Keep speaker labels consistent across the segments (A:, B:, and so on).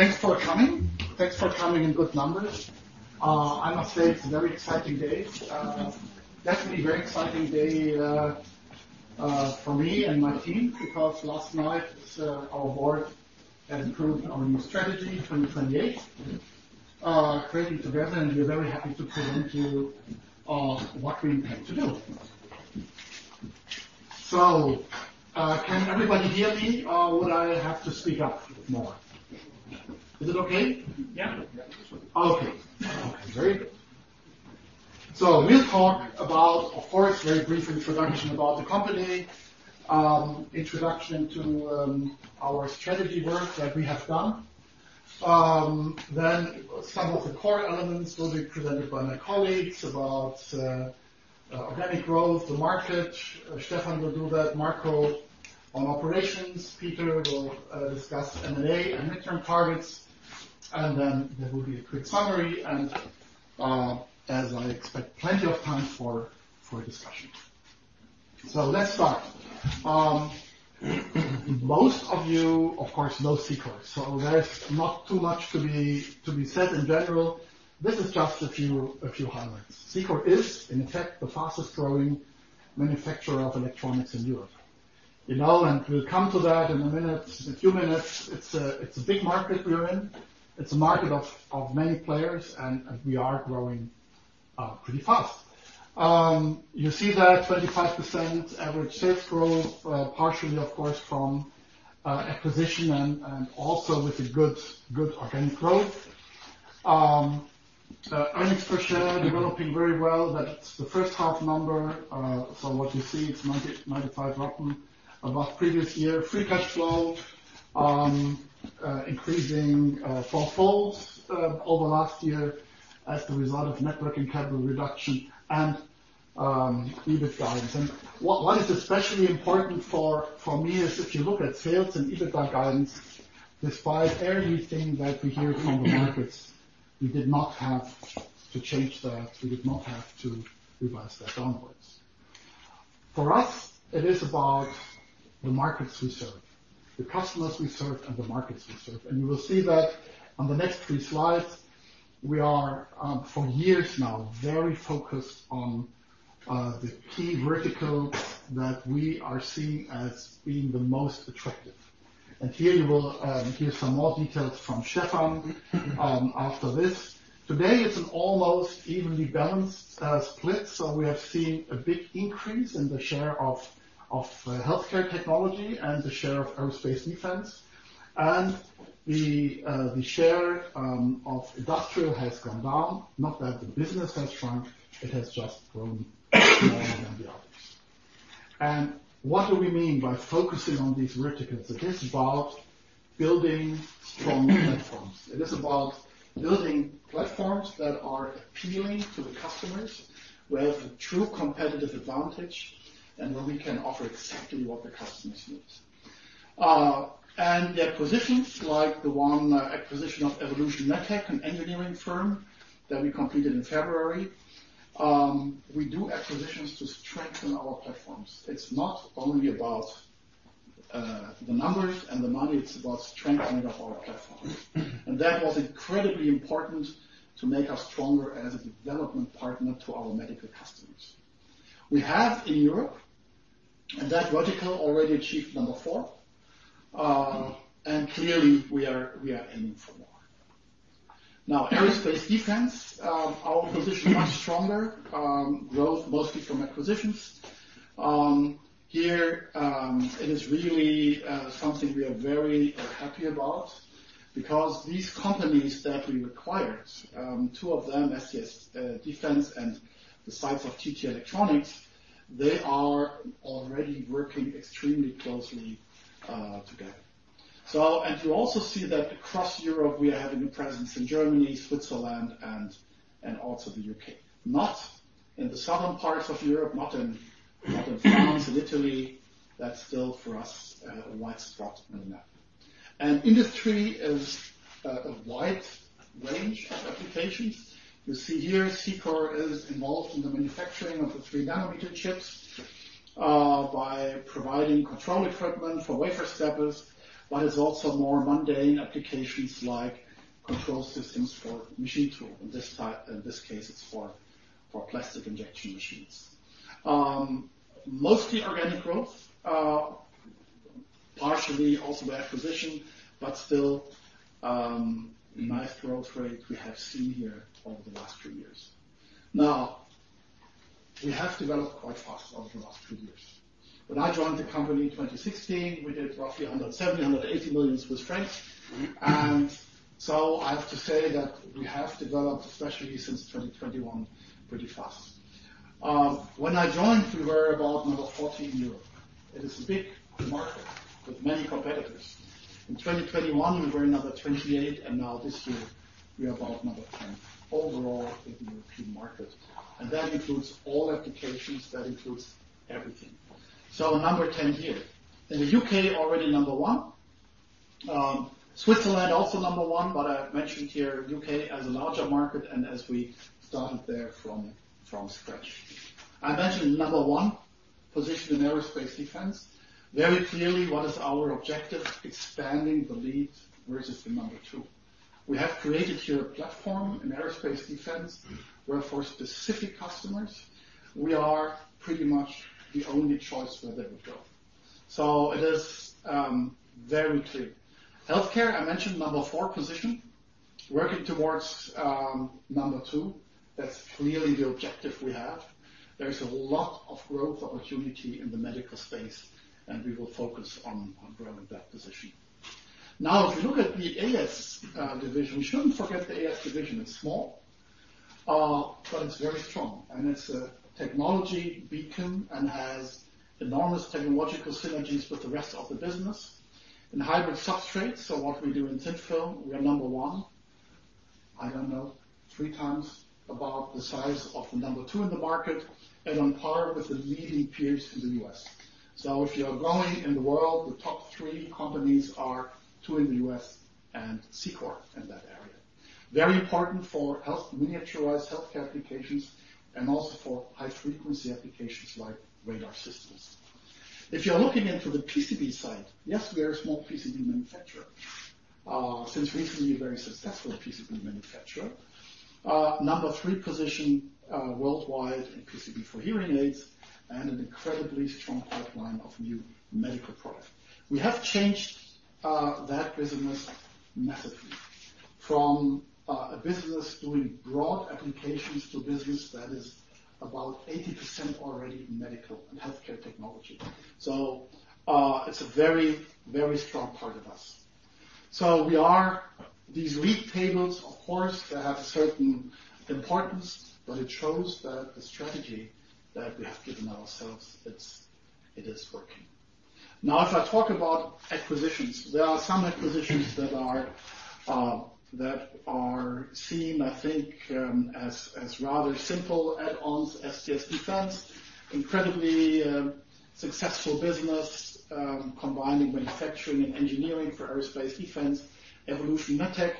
A: Thanks for coming. Thanks for coming in good numbers. I must say it's a very exciting day, definitely a very exciting day, for me and my team because last night, our board has approved our new Strategy 2028. Getting together, and we're very happy to present to you what we intend to do. So, can everybody hear me? Would I have to speak up more? Is it okay? Yeah. Okay. Very good. So we'll talk about, of course, very brief introduction about the company, introduction to our strategy work that we have done. Then some of the core elements will be presented by my colleagues about organic growth, the market. Stefan will do that, Marco on operations, Peter will discuss M&A and midterm targets, and then there will be a quick summary and, as I expect, plenty of time for discussion. So let's start. Most of you, of course, know Cicor. So there's not too much to be said in general. This is just a few highlights. Cicor is, in effect, the fastest-growing manufacturer of electronics in Europe. You know, and we'll come to that in a minute, a few minutes. It's a big market we're in. It's a market of many players, and we are growing pretty fast. You see that 25% average sales growth, partially, of course, from acquisition and also with a good organic growth. Earnings per share developing very well. That's the first-half number. So what you see, it's 90-95% up above previous year. Free cash flow increasing fourfold over last year as the result of net working capital reduction and EBIT guidance. What is especially important for me is if you look at sales and EBITDA guidance, despite everything that we hear from the markets, we did not have to change that. We did not have to revise that downwards. For us, it is about the markets we serve, the customers we serve, and the markets we serve. You will see that on the next three slides. We are, for years now, very focused on the key verticals that we are seeing as being the most attractive. Here you will hear some more details from Stefan after this. Today, it's an almost evenly balanced split. We have seen a big increase in the share of healthcare technology and the share of aerospace defense. The share of industrial has gone down. Not that the business has shrunk. It has just grown more than the others. What do we mean by focusing on these verticals? It is about building strong platforms. It is about building platforms that are appealing to the customers, where a true competitive advantage, and where we can offer exactly what the customers need, and the acquisitions like the one acquisition of Evolution Medtec, an engineering firm that we completed in February. We do acquisitions to strengthen our platforms. It's not only about the numbers and the money. It's about strengthening of our platform. And that was incredibly important to make us stronger as a development partner to our medical customers. We have in Europe, and that vertical already achieved number four, and clearly we are aiming for more. Now, aerospace defense, our position is much stronger, growth mostly from acquisitions. Here it is really something we are very happy about because these companies that we acquired, two of them, STS Defence and the sites of TT Electronics, they are already working extremely closely together. So you also see that across Europe, we are having a presence in Germany, Switzerland, and also the U.K.. Not in the southern parts of Europe, not in France and Italy. That's still for us a white spot in the map. And industry is a wide range of applications. You see here, Cicor is involved in the manufacturing of the three-nanometer chips, by providing control equipment for wafer steppers, but it's also more mundane applications like control systems for machine tools. In this case, it's for plastic injection machines. Mostly organic growth, partially also by acquisition, but still, nice growth rate we have seen here over the last few years. Now, we have developed quite fast over the last few years. When I joined the company in 2016, we did roughly 170 million-180 million Swiss francs. So I have to say that we have developed, especially since 2021, pretty fast. When I joined, we were about number 40 in Europe. It is a big market with many competitors. In 2021, we were number 28, and now this year, we are about number 10 overall in the European market. That includes all applications. That includes everything. So number 10 here. In the U.K., already number one. Switzerland also number one, but I mentioned here, U.K. as a larger market and as we started there from scratch. I mentioned number one position in aerospace defense. Very clearly, what is our objective? Expanding the lead versus the number two. We have created here a platform in aerospace defense where for specific customers, we are pretty much the only choice where they would go. So it is very clear. Healthcare, I mentioned number four position, working towards number two. That's clearly the objective we have. There's a lot of growth opportunity in the medical space, and we will focus on growing that position. Now, if you look at the AS division, we shouldn't forget the AS division. It's small, but it's very strong. It's a technology beacon and has enormous technological synergies with the rest of the business in hybrid substrates. So what we do in thin-film, we are number one. I don't know, three times about the size of the number two in the market and on par with the leading peers in the U.S.. So if you are growing in the world, the top three companies are two in the U.S. and Cicor in that area. Very important for highly miniaturized healthcare applications and also for high-frequency applications like radar systems. If you're looking into the PCB side, yes, we are a small PCB manufacturer, since recently a very successful PCB manufacturer. Number three position, worldwide in PCB for hearing aids and an incredibly strong pipeline of new medical products. We have changed that business massively from a business doing broad applications to a business that is about 80% already in medical and healthcare technology. So, it's a very, very strong part of us. So we are these league tables, of course, that have a certain importance, but it shows that the strategy that we have given ourselves, it's, it is working. Now, if I talk about acquisitions, there are some acquisitions that are, that are seen, I think, as, as rather simple add-ons. STS Defence, incredibly successful business, combining manufacturing and engineering for aerospace defense. Evolution Medtec,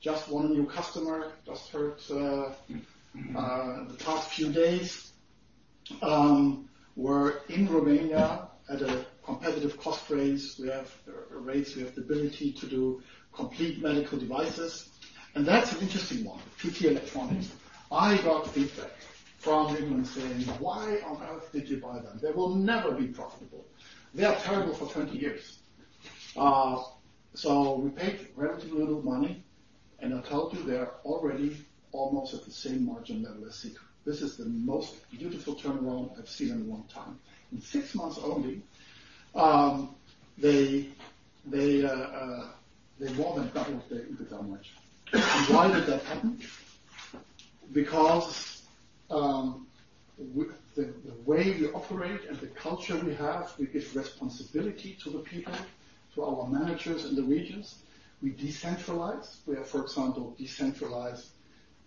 A: just won a new customer, just heard, the past few days. We're in Romania at a competitive cost rate. We have rates. We have the ability to do complete medical devices. And that's an interesting one, TT Electronics. I got feedback from England saying, "Why on earth did you buy them? They will never be profitable. They are terrible for 20 years," so we paid relatively little money. And I told you they are already almost at the same margin level as Cicor. This is the most beautiful turnaround I've seen in a long time. In six months only, they more than doubled their EBITDA margin. And why did that happen? Because with the way we operate and the culture we have, we give responsibility to the people, to our managers in the regions. We decentralize. We have, for example, decentralized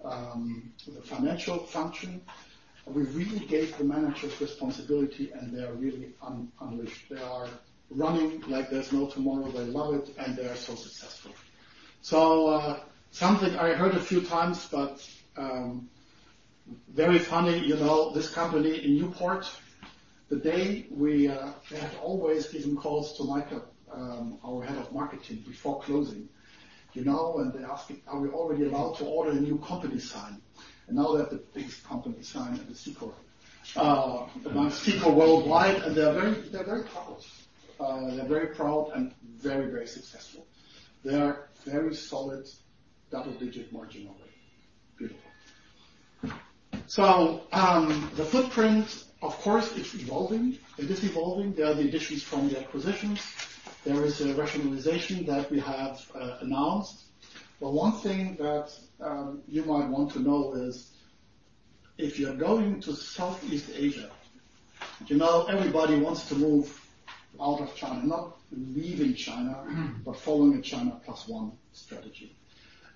A: the financial function. We really gave the managers responsibility, and they are really unleashed. They are running like there's no tomorrow. They love it, and they are so successful. So, something I heard a few times, but very funny, you know, this company in Newport, the day we, they have always given calls to Marco, our head of marketing before closing, you know, and they asked, "Are we already allowed to order a new company sign?" And now they have the biggest company sign at the Cicor, amongst Cicor worldwide. And they're very, they're very proud. They're very proud and very, very successful. They are very solid double-digit margin already. Beautiful. So, the footprint, of course, it's evolving. It is evolving. There are the additions from the acquisitions. There is a rationalization that we have announced. But one thing that you might want to know is if you're going to Southeast Asia, you know, everybody wants to move out of China, not leaving China, but following a China Plus One strategy.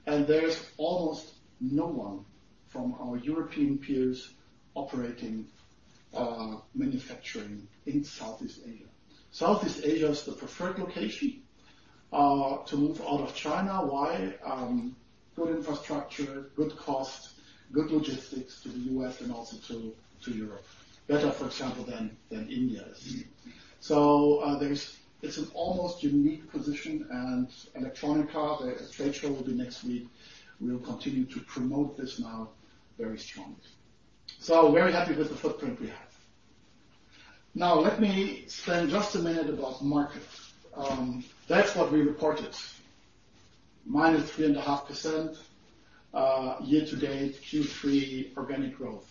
A: There's almost no one from our European peers operating, manufacturing in Southeast Asia. Southeast Asia is the preferred location to move out of China. Why? Good infrastructure, good cost, good logistics to the U.S. and also to Europe. Better, for example, than India is. It's an almost unique position. Electronica, the trade show, will be next week. We'll continue to promote this now very strongly. Very happy with the footprint we have. Now, let me spend just a minute about markets. That's what we reported: -3.5% year to date, Q3 organic growth.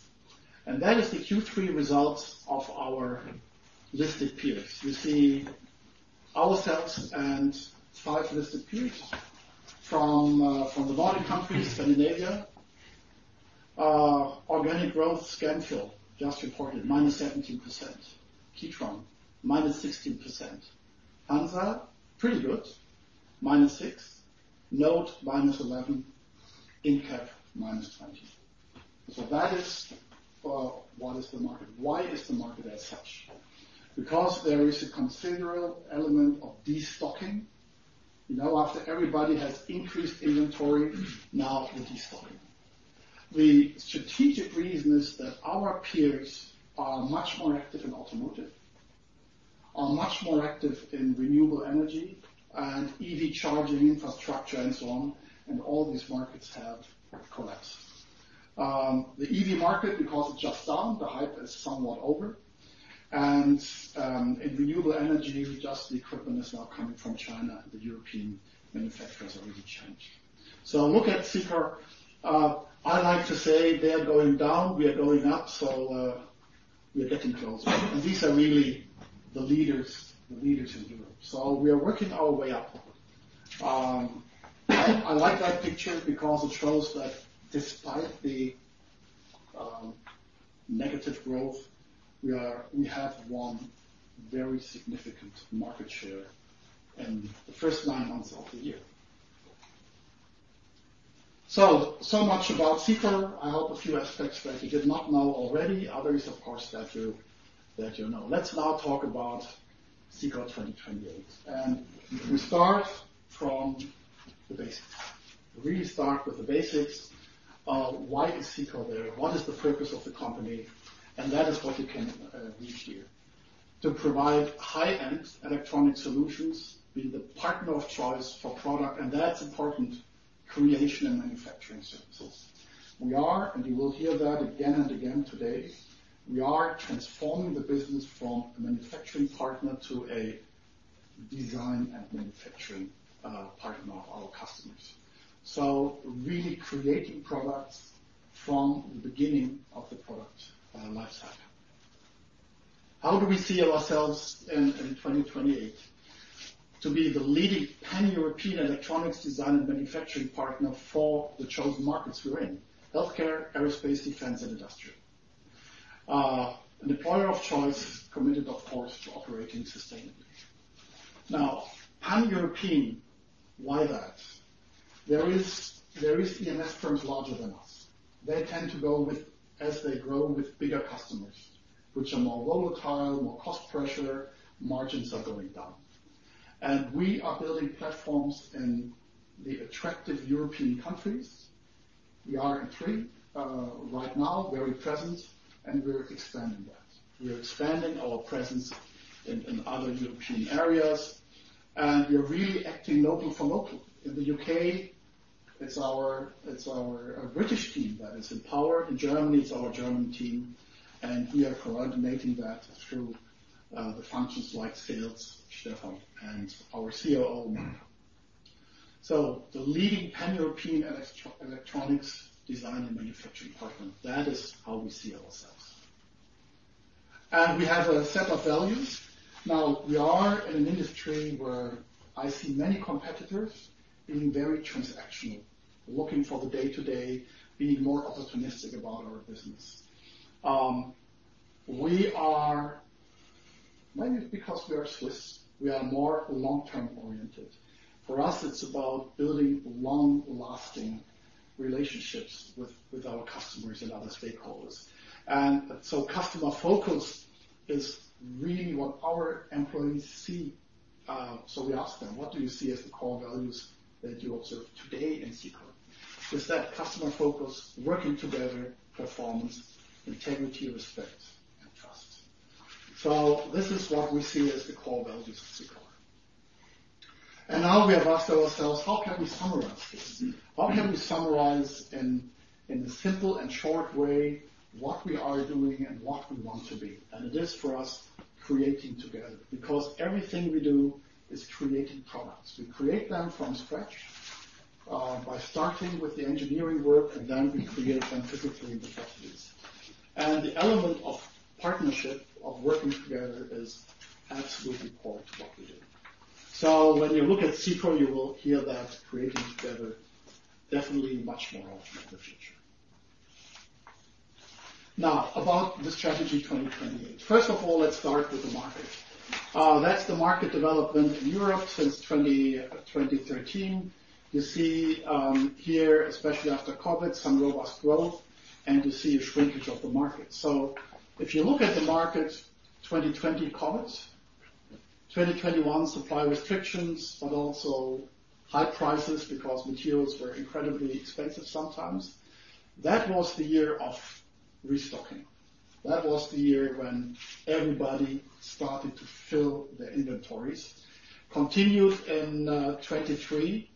A: That is the Q3 results of our listed peers. You see ourselves and five listed peers from the Nordic countries, Scandinavia. Organic growth, Scanfil just reported -17%. Kitron, -16%. HANZA, pretty good, -6%. NOTE -11%. Incap, -20%. So that is what is the market? Why is the market as such? Because there is a considerable element of destocking. You know, after everybody has increased inventory, now the destocking. The strategic reason is that our peers are much more active in automotive, are much more active in renewable energy and EV charging infrastructure and so on. And all these markets have collapsed. The EV market, because it's just down, the hype is somewhat over. And in renewable energy, just the equipment is now coming from China. The European manufacturers are really challenged. Look at Cicor. I like to say they are going down. We are going up. We are getting closer. And these are really the leaders, the leaders in Europe. We are working our way up. I like that picture because it shows that despite the negative growth, we have won very significant market share in the first nine months of the year. So much about Cicor. I hope a few aspects that you did not know already. Others, of course, that you know. Let's now talk about Cicor 2028. We start from the basics. We start with the basics. Why is Cicor there? What is the purpose of the company? That is what you can read here. To provide high-end electronic solutions, being the partner of choice for product creation and manufacturing services. We are, and you will hear that again and again today, transforming the business from a manufacturing partner to a design and manufacturing partner of our customers. So really creating products from the beginning of the product lifecycle. How do we see ourselves in 2028? To be the leading pan-European electronics design and manufacturing partner for the chosen markets we're in: healthcare, aerospace, defense, and industrial. An employer of choice committed, of course, to operating sustainably. Now, pan-European, why that? There is EMS firms larger than us. They tend to go with, as they grow, with bigger customers, which are more volatile, more cost pressure, margins are going down. And we are building platforms in the attractive European countries. We are in three, right now, very present, and we're expanding that. We're expanding our presence in other European areas. And we are really acting local for local. In the U.K., it's our British team that is in power. In Germany, it's our German team. And we are coordinating that through the functions like Sales, Stefan, and our COO, Marco. So the leading pan-European electronics design and manufacturing partner. That is how we see ourselves. And we have a set of values. Now, we are in an industry where I see many competitors being very transactional, looking for the day-to-day, being more opportunistic about our business. We are, maybe it's because we are Swiss, we are more long-term oriented. For us, it's about building long-lasting relationships with our customers and other stakeholders. And so customer focus is really what our employees see. So we ask them, "What do you see as the core values that you observe today in Cicor?" It's that customer focus, working together, performance, integrity, respect, and trust. So this is what we see as the core values of Cicor. And now we have asked ourselves, "How can we summarize this? How can we summarize in a simple and short way what we are doing and what we want to be?" And it is for us Creating Together because everything we do is creating products. We create them from scratch, by starting with the engineering work, and then we create them physically in the factories. And the element of partnership, of working together, is absolutely core to what we do. So when you look at Cicor, you will hear that Creating Together definitely much more often in the future. Now, about the strategy 2028. First of all, let's start with the market. That's the market development in Europe since 2013. You see, here, especially after COVID, some robust growth, and you see a shrinkage of the market. So if you look at the market, 2020 COVID, 2021 supply restrictions, but also high prices because materials were incredibly expensive sometimes. That was the year of restocking. That was the year when everybody started to fill their inventories, continued in 2023,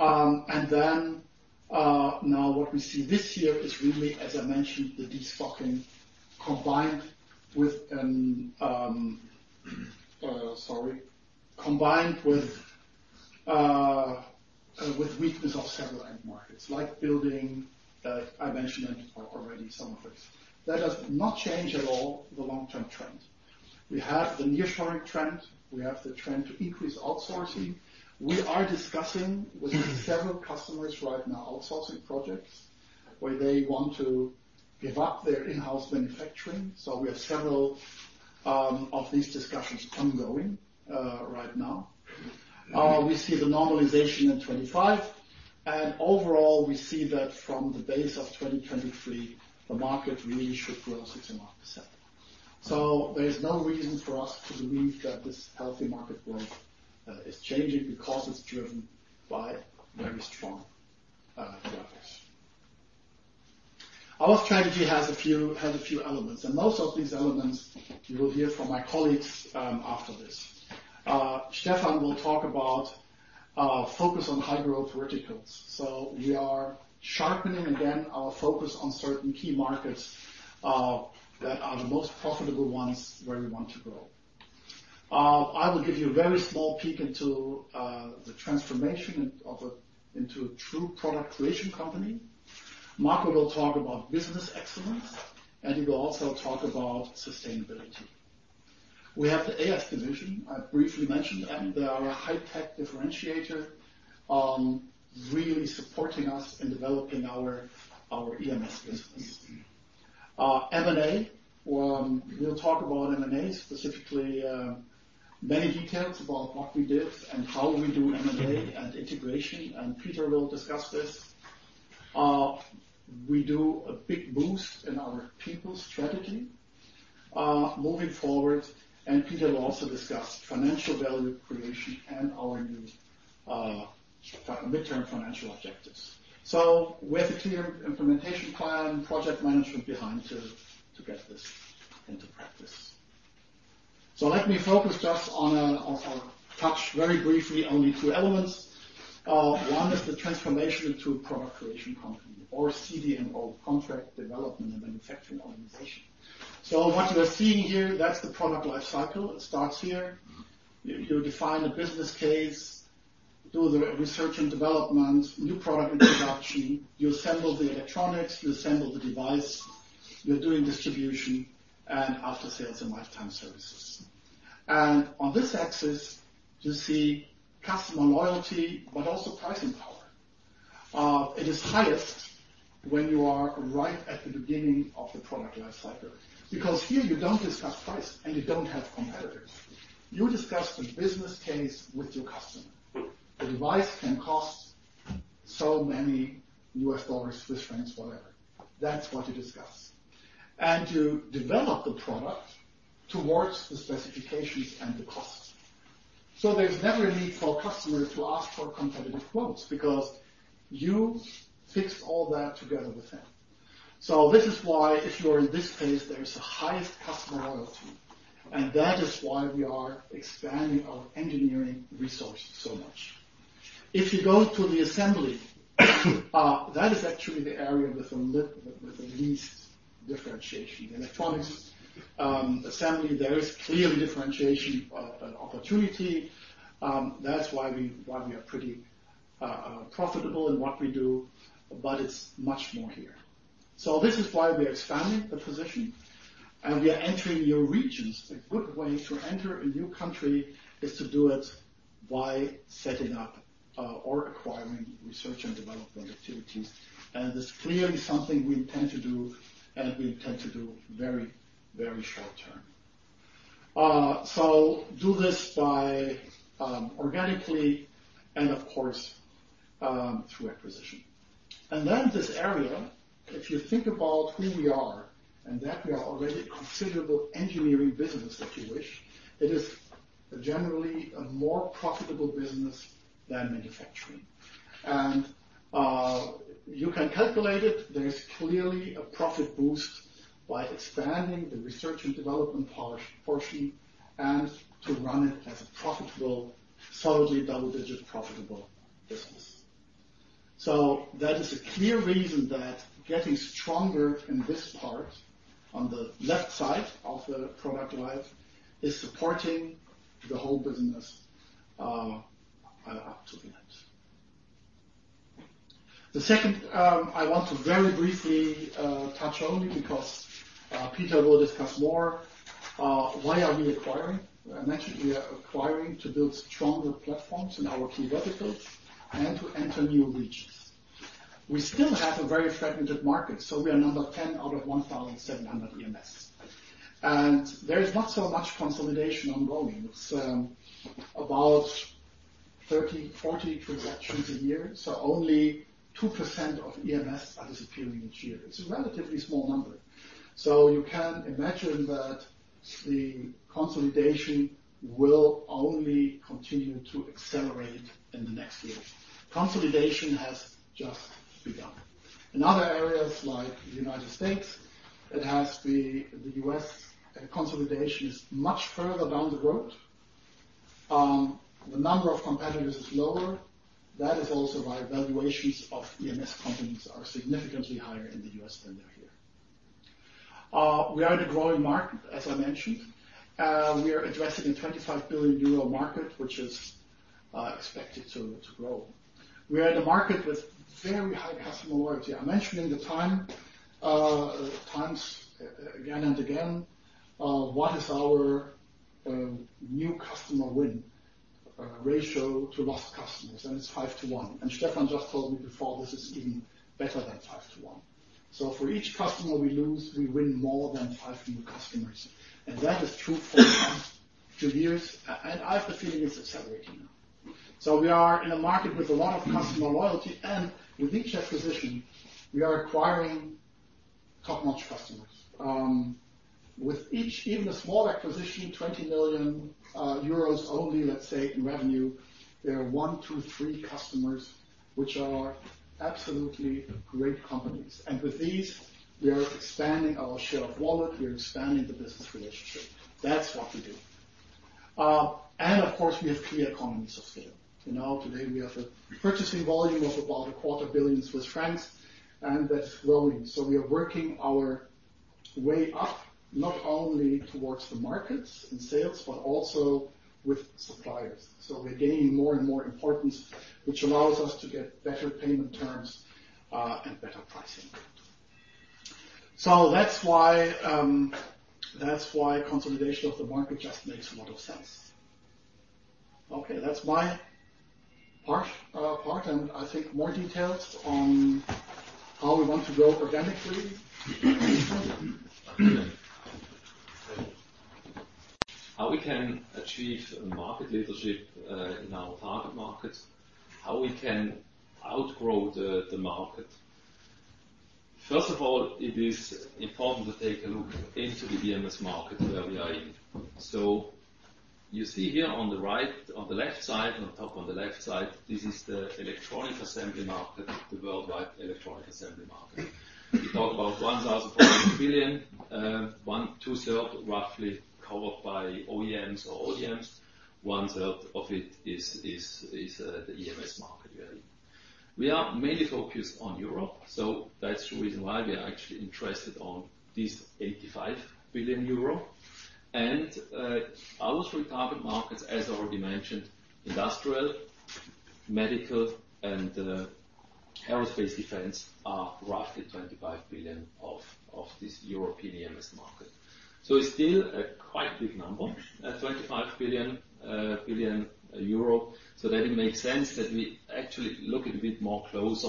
A: and then now what we see this year is really, as I mentioned, the destocking combined with, sorry, combined with weakness of several end markets like building. I mentioned already some of this. That does not change at all the long-term trend. We have the nearshoring trend. We have the trend to increase outsourcing. We are discussing with several customers right now outsourcing projects where they want to give up their in-house manufacturing. So we have several of these discussions ongoing right now, we see the normalization in 2025, and overall we see that from the base of 2023, the market really should grow 6.5%. So there is no reason for us to believe that this healthy market growth is changing because it's driven by very strong drivers. Our strategy has a few elements. Most of these elements you will hear from my colleagues after this. Stefan will talk about focus on high-growth verticals. We are sharpening again our focus on certain key markets that are the most profitable ones where we want to grow. I will give you a very small peek into the transformation into a true product creation company. Marco will talk about business excellence, and he will also talk about sustainability. We have the AS division. I briefly mentioned them. They are a high-tech differentiator really supporting us in developing our EMS business. M&A, we'll talk about M&A specifically, many details about what we did and how we do M&A and integration. And Peter will discuss this. We do a big boost in our people strategy moving forward. Peter will also discuss financial value creation and our new midterm financial objectives. We have a clear implementation plan, project management behind it to get this into practice. Let me focus just on or touch very briefly only two elements. One is the transformation into a product creation company or CDMO, contract development and manufacturing organization. What you are seeing here, that's the product lifecycle. It starts here. You define a business case, do the research and development, new product introduction. You assemble the electronics. You assemble the device. You're doing distribution and after-sales and lifetime services. On this axis, you see customer loyalty, but also pricing power. It is highest when you are right at the beginning of the product lifecycle because here you don't discuss price and you don't have competitors. You discuss the business case with your customer. The device can cost so many U.S. dollars, Swiss francs, whatever. That's what you discuss. You develop the product towards the specifications and the cost. There's never a need for a customer to ask for competitive quotes because you fixed all that together with them. This is why if you are in this phase, there is a highest customer loyalty. That is why we are expanding our engineering resource so much. If you go to the assembly, that is actually the area with the least differentiation. The electronics assembly, there is clearly differentiation, opportunity. That's why we are pretty profitable in what we do, but it's much more here. This is why we are expanding the position and we are entering new regions. A good way to enter a new country is to do it by setting up, or acquiring research and development activities. And this is clearly something we intend to do and we intend to do very, very short term. So do this by organically and of course through acquisition. And then this area, if you think about who we are and that we are already a considerable engineering business that you wish, it is generally a more profitable business than manufacturing. And you can calculate it. There's clearly a profit boost by expanding the research and development portion and to run it as a profitable, solidly double-digit profitable business. So that is a clear reason that getting stronger in this part on the left side of the product line is supporting the whole business, up to the end. The second, I want to very briefly touch only because Peter will discuss more, why are we acquiring. I mentioned we are acquiring to build stronger platforms in our key verticals and to enter new regions. We still have a very fragmented market. So we are number 10 out of 1,700 EMS. And there is not so much consolidation ongoing. It's about 30, 40 transactions a year. So only 2% of EMS are disappearing each year. It's a relatively small number. So you can imagine that the consolidation will only continue to accelerate in the next year. Consolidation has just begun. In other areas like the United States, it has the U.S. consolidation is much further down the road. The number of competitors is lower. That is also why valuations of EMS companies are significantly higher in the U.S. than they're here. We are in a growing market, as I mentioned. We are addressing a 25 billion euro market, which is expected to grow. We are at a market with very high customer loyalty. I mentioned time and time again, what is our new customer win ratio to lost customers? And it's five to one. And Stefan just told me before this is even better than five to one. So for each customer we lose, we win more than five new customers. And that is true for the past two years. And I have the feeling it's accelerating now. So we are in a market with a lot of customer loyalty. And with each acquisition, we are acquiring top-notch customers. With each, even a small acquisition, 20 million euros only, let's say in revenue, there are one, two, three customers which are absolutely great companies. And with these, we are expanding our share of wallet. We are expanding the business relationship. That's what we do. And of course, we have clear economies of scale. You know, today we have a purchasing volume of about 250 million Swiss francs, and that is growing. So we are working our way up not only towards the markets and sales, but also with suppliers. So we're gaining more and more importance, which allows us to get better payment terms, and better pricing. So that's why, that's why consolidation of the market just makes a lot of sense. Okay. That's my part. And I think more details on how we want to grow organically.
B: How we can achieve market leadership in our target market, how we can outgrow the market. First of all, it is important to take a look into the EMS market where we are in. So you see here on the right, on the left side, on the top, on the left side, this is the electronic assembly market, the worldwide electronic assembly market. We talk about 1,400 billion, one-third roughly covered by OEMs or ODMs. One third of it is the EMS market we are in. We are mainly focused on Europe. So that's the reason why we are actually interested in this 85 billion euro, and our three target markets, as already mentioned, industrial, medical, and aerospace defense are roughly 25 billion of this European EMS market. So it's still a quite big number, 25 billion euro. So that it makes sense that we actually look a bit more closer,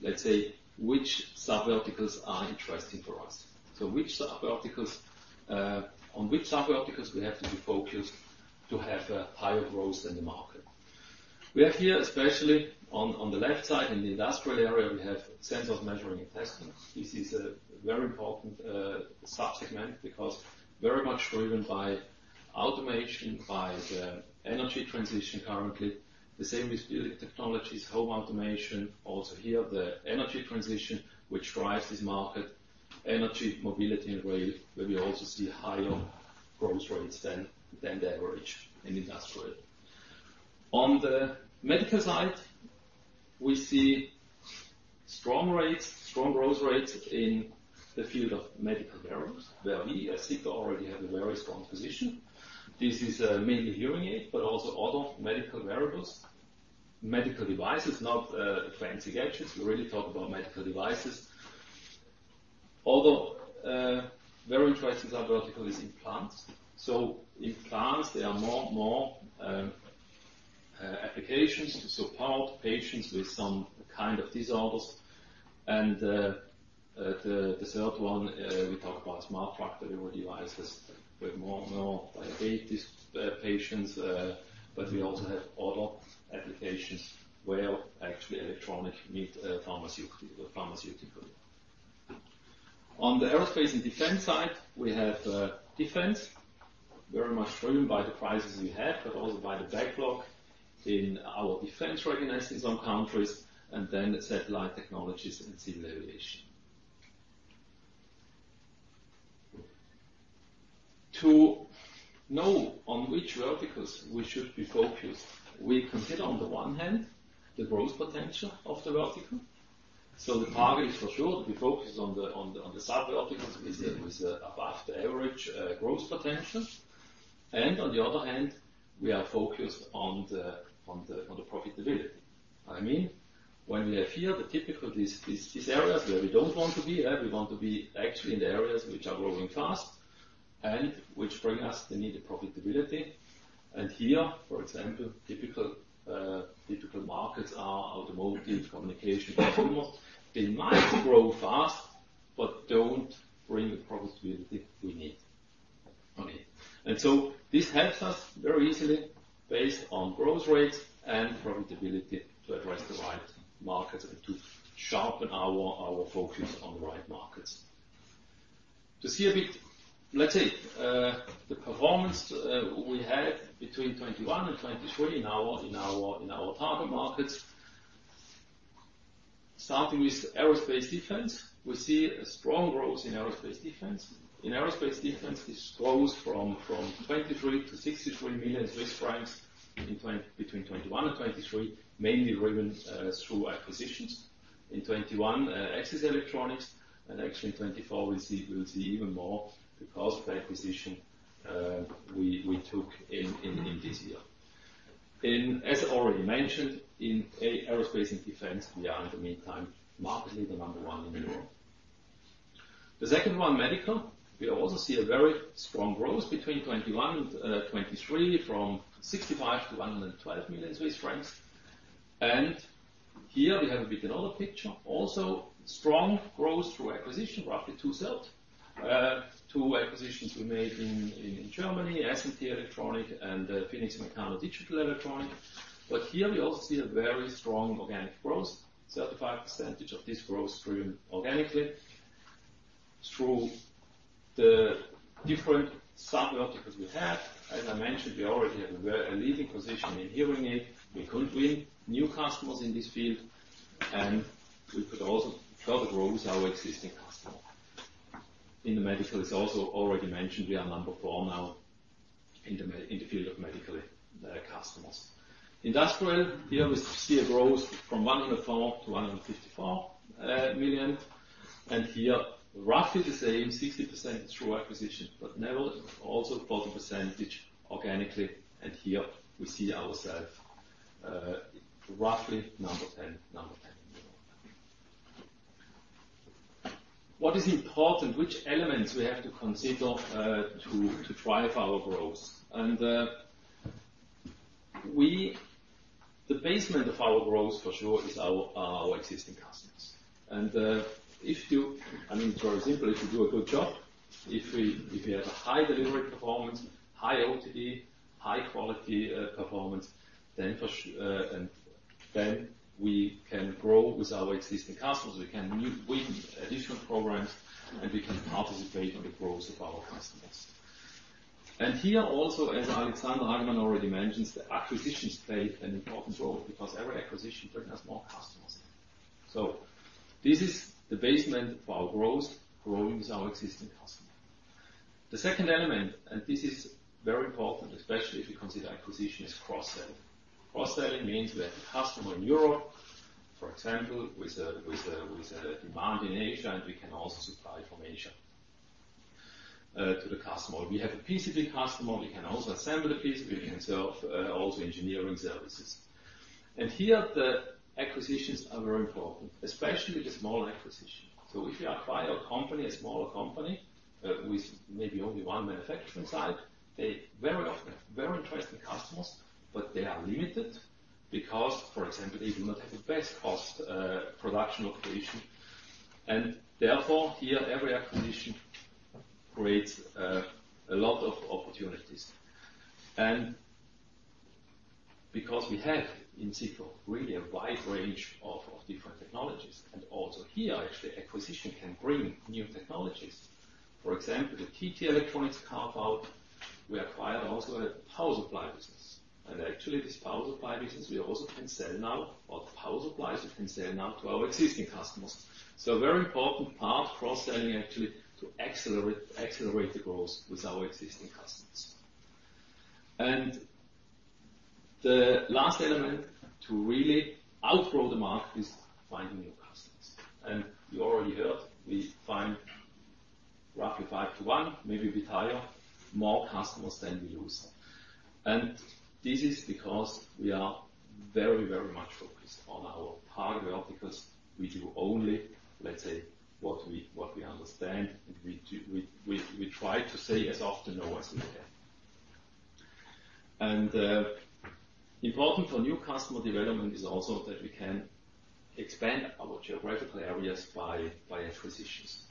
B: let's say, which sub-verticals are interesting for us. Which sub-verticals, on which sub-verticals we have to be focused to have a higher growth than the market. We have here, especially on, on the left side in the industrial area, we have sensors measuring and testing. This is a very important subsegment because very much driven by automation, by the energy transition currently. The same with building technologies, home automation. Also here, the energy transition, which drives this market, energy, mobility, and rail, where we also see higher growth rates than, than the average in industrial. On the medical side, we see strong rates, strong growth rates in the field of medical wearables where we at Cicor already have a very strong position. This is, mainly hearing aids, but also other medical wearables, medical devices, not fancy gadgets. We really talk about medical devices. Other, very interesting sub-vertical is implants. So implants, they are more, more, applications. Empowered patients with some kind of disorders. The third one, we talk about smart drug delivery devices with more diabetes patients. We also have other applications where actually electronics meet pharmaceutical. On the aerospace and defense side, we have defense very much driven by the crisis we have, but also by the backlog in our defense readiness in some countries and then satellite technologies and civil aviation. To know on which verticals we should be focused, we consider, on the one hand, the growth potential of the vertical. The target is for sure to be focused on the sub-verticals with the above-the-average growth potential. On the other hand, we are focused on the profitability. I mean, when we have here the typical these areas where we don't want to be, we want to be actually in the areas which are growing fast and which bring us the needed profitability. And here, for example, typical markets are automotive, communication, consumers. They might grow fast, but don't bring the profitability we need. Okay. And so this helps us very easily based on growth rates and profitability to address the right markets and to sharpen our focus on the right markets. To see a bit, let's say, the performance, we had between 2021 and 2023 in our target markets. Starting with aerospace defense, we see a strong growth in aerospace defense. In aerospace defense, this grows from 23 million to 63 million Swiss francs between 2021 and 2023, mainly driven through acquisitions. In 2021, Axis Electronics. Actually in 2024, we'll see even more because of the acquisitions we took in this year. As already mentioned, in aerospace and defense, we are in the meantime market leader, number one in Europe. The second one, medical, we also see a very strong growth between 2021 and 2023 from 65 million to 112 million Swiss francs. Here we have a bit another picture. Also strong growth through acquisition, roughly two-thirds, two acquisitions we made in Germany, SMT Elektronik and Phoenix Mecano Digital Elektronik. But here we also see a very strong organic growth, 35% of this growth stream organically through the different sub-verticals we have. As I mentioned, we already have a very leading position in hearing aids. We could win new customers in this field, and we could also further grow with our existing customer. In the medical, it's also already mentioned we are number four now in the field of medical customers. Industrial, here we see a growth from 104 million to 154 million. And here roughly the same, 60% through acquisition, but nearly 40% organically. And here we see ourselves roughly number 10 in Europe. What is important, which elements we have to consider to drive our growth. The basis of our growth for sure is our existing customers. And if you, I mean, it's very simple. If you do a good job, if we have a high delivery performance, high OTD, high quality performance, then for sure, and then we can grow with our existing customers. We can win additional programs and we can participate in the growth of our customers. And here also, as Alexander Hagemann already mentioned, the acquisitions play an important role because every acquisition brings us more customers. So this is the basis of our growth, growing with our existing customers. The second element, and this is very important, especially if you consider acquisition, is cross-selling. Cross-selling means we have a customer in Europe, for example, with a demand in Asia, and we can also supply from Asia to the customer. We have a PCB customer. We can also assemble the PCB. We can serve also engineering services. And here the acquisitions are very important, especially the small acquisition. So if you acquire a company, a smaller company, with maybe only one manufacturing site, they very often have very interesting customers, but they are limited because, for example, they do not have the best cost production operation. Therefore here, every acquisition creates a lot of opportunities. Because we have in Cicor really a wide range of different technologies, and also here actually acquisition can bring new technologies. For example, the TT Electronics carve-out, we acquired also a power supply business. Actually this power supply business, we also can sell now, or the power supplies we can sell now to our existing customers. So a very important part, cross-selling actually, to accelerate the growth with our existing customers. The last element to really outgrow the market is finding new customers. You already heard, we find roughly five to one, maybe a bit higher, more customers than we lose. This is because we are very, very much focused on our target verticals. We do only, let's say, what we understand, and we do. We try to say no as often as we can. Important for new customer development is also that we can expand our geographical areas by acquisitions.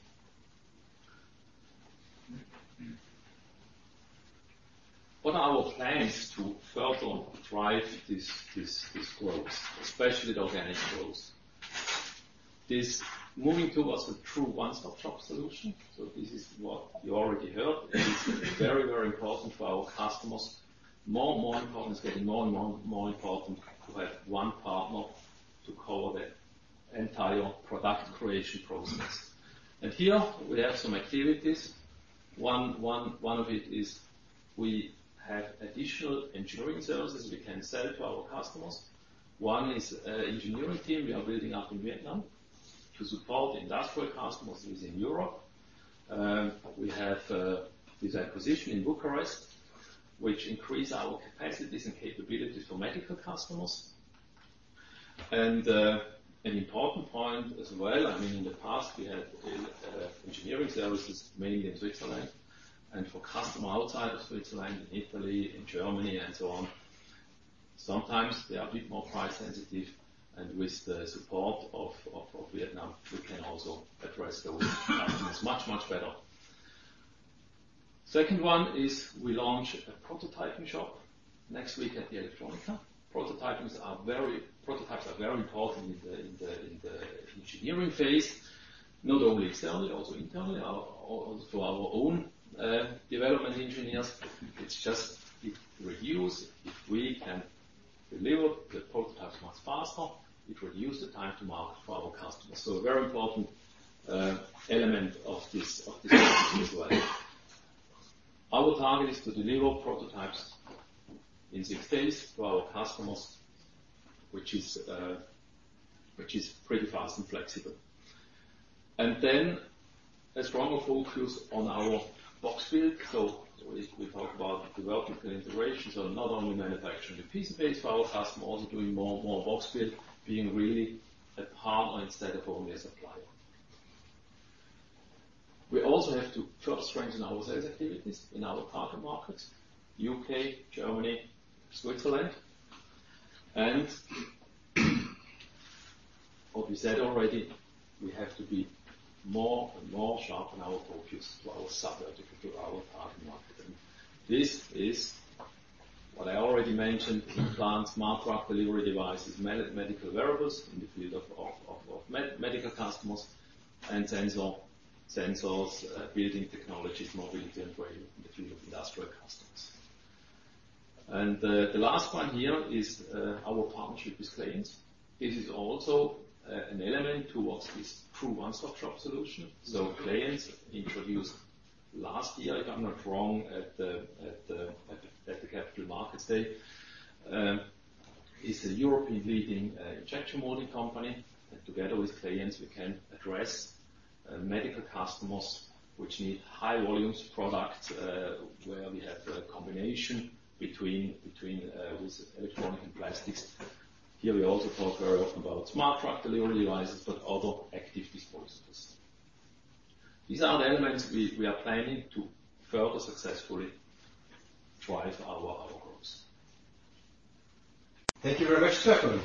B: What are our plans to further drive this growth, especially the organic growth? This moving towards a true one-stop shop solution. This is what you already heard. It is very important for our customers. More important is getting more and more important to have one partner to cover the entire product creation process. Here we have some activities. One of it is we have additional engineering services we can sell to our customers. One is engineering team we are building up in Vietnam to support industrial customers within Europe. We have this acquisition in Bucharest, which increases our capacities and capabilities for medical customers, and an important point as well. I mean, in the past we had engineering services mainly in Switzerland and for customers outside of Switzerland, in Italy, in Germany, and so on. Sometimes they are a bit more price sensitive. And with the support of Vietnam, we can also address those customers much, much better. Second one is we launch a prototyping shop next week at the Electronica. Prototypes are very important in the engineering phase, not only externally, also internally or to our own development engineers. It just reduces, if we can deliver the prototypes much faster, it reduces the time to market for our customers, so a very important element of this as well. Our target is to deliver prototypes in six days to our customers, which is pretty fast and flexible, and then a stronger focus on our box build, so if we talk about development and integration, so not only manufacturing the PCBs for our customers, also doing more box build, being really a partner instead of only a supplier. We also have to further strengthen our sales activities in our target markets, U.K., Germany, Switzerland, and what we said already, we have to be more and more sharpen our focus to our sub-vertical, to our target market, and this is what I already mentioned, implants, smart drug delivery devices, medical wearables in the field of medical customers, and sensors, building technologies, mobility, and rail in the field of industrial customers, and the last one here is our partnership with Clayens. This is also an element towards this true one-stop shop solution. So Clayens introduced last year, if I'm not wrong, at the Capital Markets Day, is a leading European injection molding company. And together with Clayens, we can address medical customers which need high-volume products, where we have a combination between with electronics and plastics. Here we also talk very often about smart drug delivery devices, but other active disposables. These are the elements we are planning to further successfully drive our growth.
C: Thank you very much, Stefan.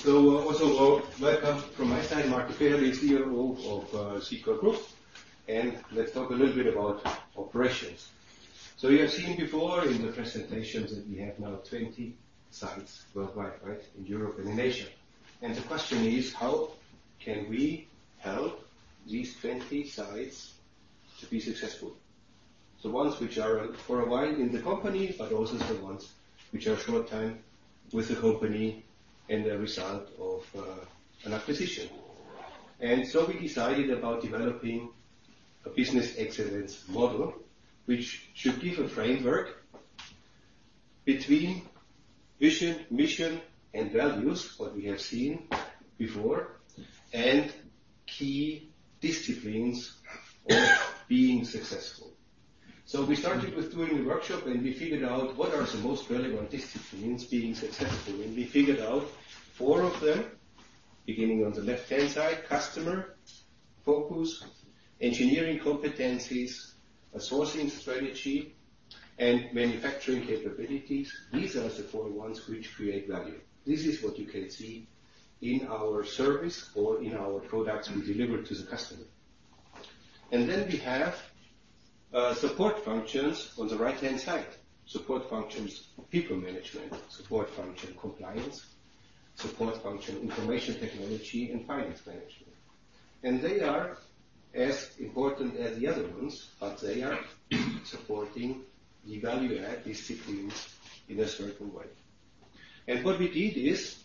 C: So also welcome from my side, Marco Kechele, the COO of Cicor Group. And let's talk a little bit about operations. So you have seen before in the presentations that we have now 20 sites worldwide, right, in Europe and in Asia. The question is, how can we help these 20 sites to be successful. So ones which are for a while in the company, but also the ones which are short-term with the company and the result of an acquisition. And so we decided about developing a business excellence model, which should give a framework between vision, mission, and values, what we have seen before, and key disciplines of being successful. So we started with doing a workshop and we figured out what are the most relevant disciplines being successful. And we figured out four of them, beginning on the left-hand side, customer focus, engineering competencies, a sourcing strategy, and manufacturing capabilities. These are the four ones which create value. This is what you can see in our service or in our products we deliver to the customer. And then we have support functions on the right-hand side, support functions, people management, support function, compliance, support function, information technology, and finance management. And they are as important as the other ones, but they are supporting the value-add disciplines in a certain way. And what we did is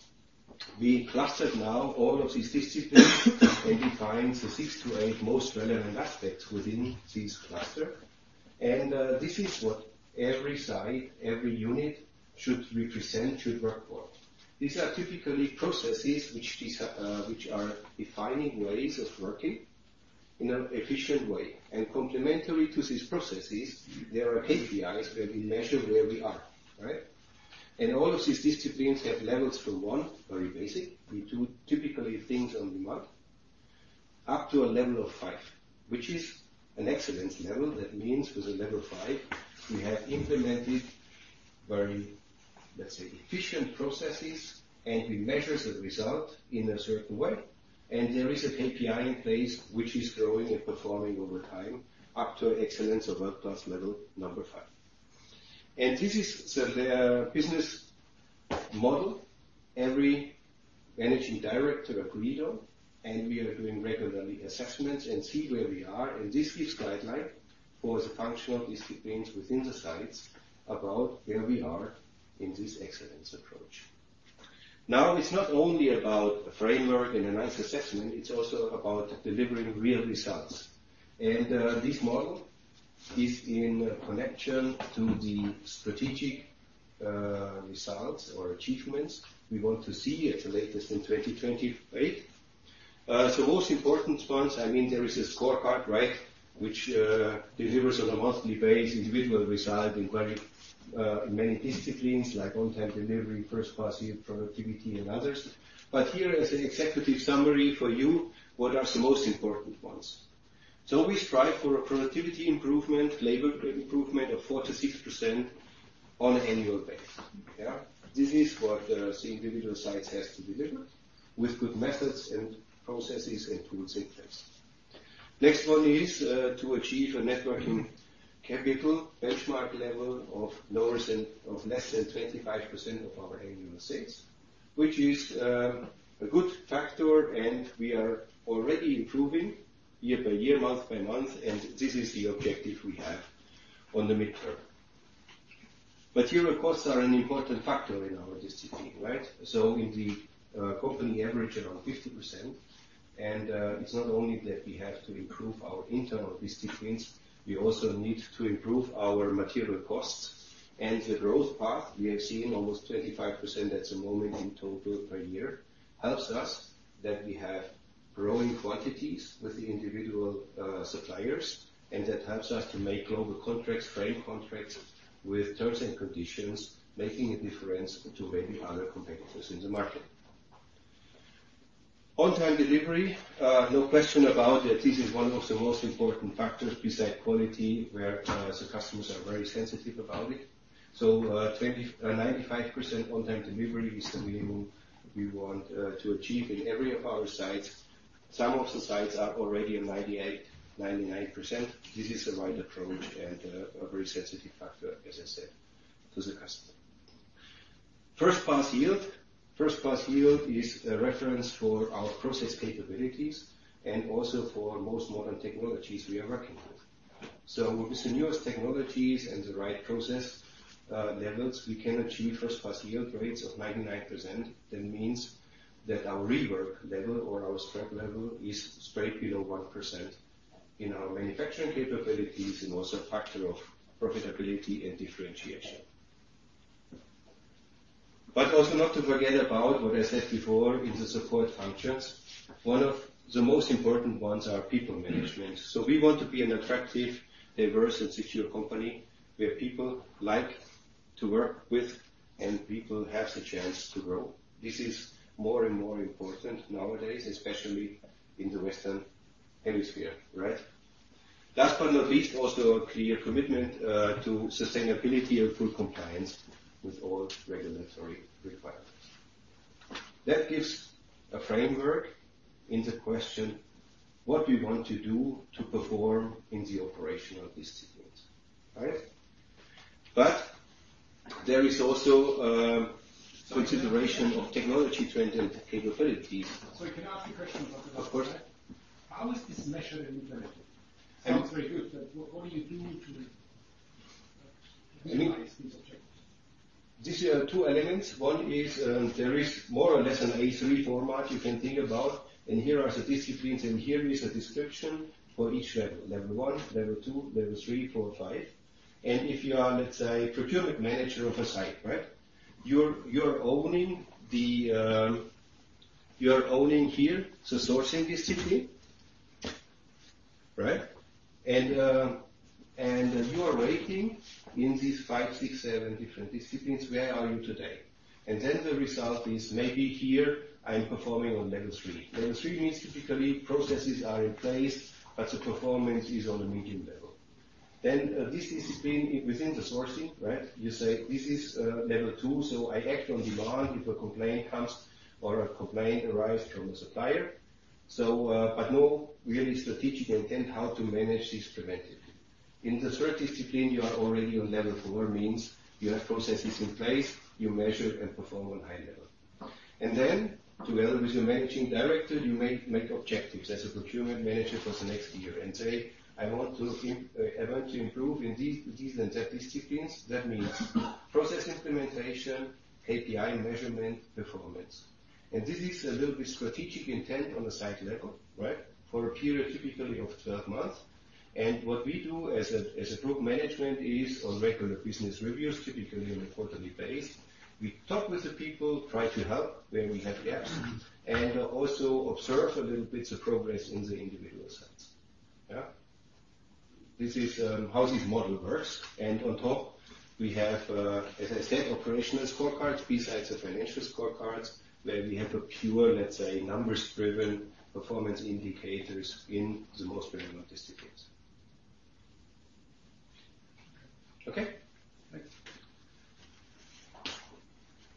C: we clustered now all of these disciplines and defined the six to eight most relevant aspects within this cluster. And this is what every site, every unit should represent, should work for. These are typically processes which these, which are defining ways of working in an efficient way. And complementary to these processes, there are KPIs where we measure where we are, right? And all of these disciplines have levels from one, very basic, we do typically things on demand, up to a level of five, which is an excellence level. That means with a level five, we have implemented very, let's say, efficient processes, and we measure the result in a certain way. And there is a KPI in place which is growing and performing over time up to excellence or world-class level number five. And this is the business model every managing director agreed on, and we are doing regularly assessments and see where we are. And this gives guideline for the functional disciplines within the sites about where we are in this excellence approach. Now it's not only about a framework and a nice assessment, it's also about delivering real results. And this model is in connection to the strategic results or achievements we want to see at the latest in 2028. So most important ones, I mean, there is a scorecard, right, which delivers on a monthly basis individual results in many disciplines like on-time delivery, first-class productivity, and others. But here as an executive summary for you, what are the most important ones? We strive for a productivity improvement, labor improvement of 4%-6% on an annual basis. Yeah? This is what the individual sites have to deliver with good methods and processes and tools in place. Next one is to achieve a net working capital benchmark level of lower than less than 25% of our annual sales, which is a good factor, and we are already improving year by year, month by month, and this is the objective we have on the mid-term. But here the costs are an important factor in our discipline, right? So in the company average around 50%. It's not only that we have to improve our internal disciplines, we also need to improve our material costs. The growth path we have seen almost 25% at the moment in total per year helps us that we have growing quantities with the individual suppliers, and that helps us to make global contracts, frame contracts with terms and conditions, making a difference to maybe other competitors in the market. On-time delivery. No question about that. This is one of the most important factors beside quality where the customers are very sensitive about it. 20.95% on-time delivery is the minimum we want to achieve in every of our sites. Some of the sites are already at 98%-99%. This is a wide approach and a very sensitive factor, as I said, to the customer. First-class yield. First-class yield is a reference for our process capabilities and also for most modern technologies we are working with. So with the newest technologies and the right process levels, we can achieve first pass yield rates of 99%. That means that our rework level or our scrap level is straight below 1% in our manufacturing capabilities and also a factor of profitability and differentiation. But also not to forget about what I said before in the support functions. One of the most important ones are people management. So we want to be an attractive, diverse, and secure company where people like to work with and people have the chance to grow. This is more and more important nowadays, especially in the Western hemisphere, right? Last but not least, also a clear commitment to sustainability and full compliance with all regulatory requirements. That gives a framework in the question what we want to do to perform in the operational disciplines, right? But there is also consideration of technology trends and capabilities. So I can ask a question about that. Of course. How is this measured and implemented? Sounds very good, but what do you do to minimize these objectives? These are two elements. One is, there is more or less an A3 format you can think about. And here are the disciplines, and here is a description for each level: level one, level two, level three, four, five. And if you are, let's say, procurement manager of a site, right, you're owning here the sourcing discipline, right? And you are rating in these five, six, seven different disciplines, where are you today? And then the result is maybe here I'm performing on level three. Level three means typically processes are in place, but the performance is on a medium level. Then this discipline within the sourcing, right, you say this is, level two, so I act on demand if a complaint comes or a complaint arrives from a supplier. So, but no really strategic intent how to manage this preventively. In the third discipline, you are already on level four, means you have processes in place, you measure and perform on high level. And then together with your managing director, you may make objectives as a procurement manager for the next year and say, "I want to, I want to improve in these, these and that disciplines." That means process implementation, KPI measurement, performance. And this is a little bit strategic intent on a site level, right, for a period typically of 12 months. What we do as a group management is on regular business reviews, typically on a quarterly basis. We talk with the people, try to help where we have gaps, and also observe a little bit of progress in the individual sites. Yeah? This is how this model works. And on top, we have, as I said, operational scorecards, besides the financial scorecards, where we have a pure, let's say, numbers-driven performance indicators in the most relevant disciplines. Okay?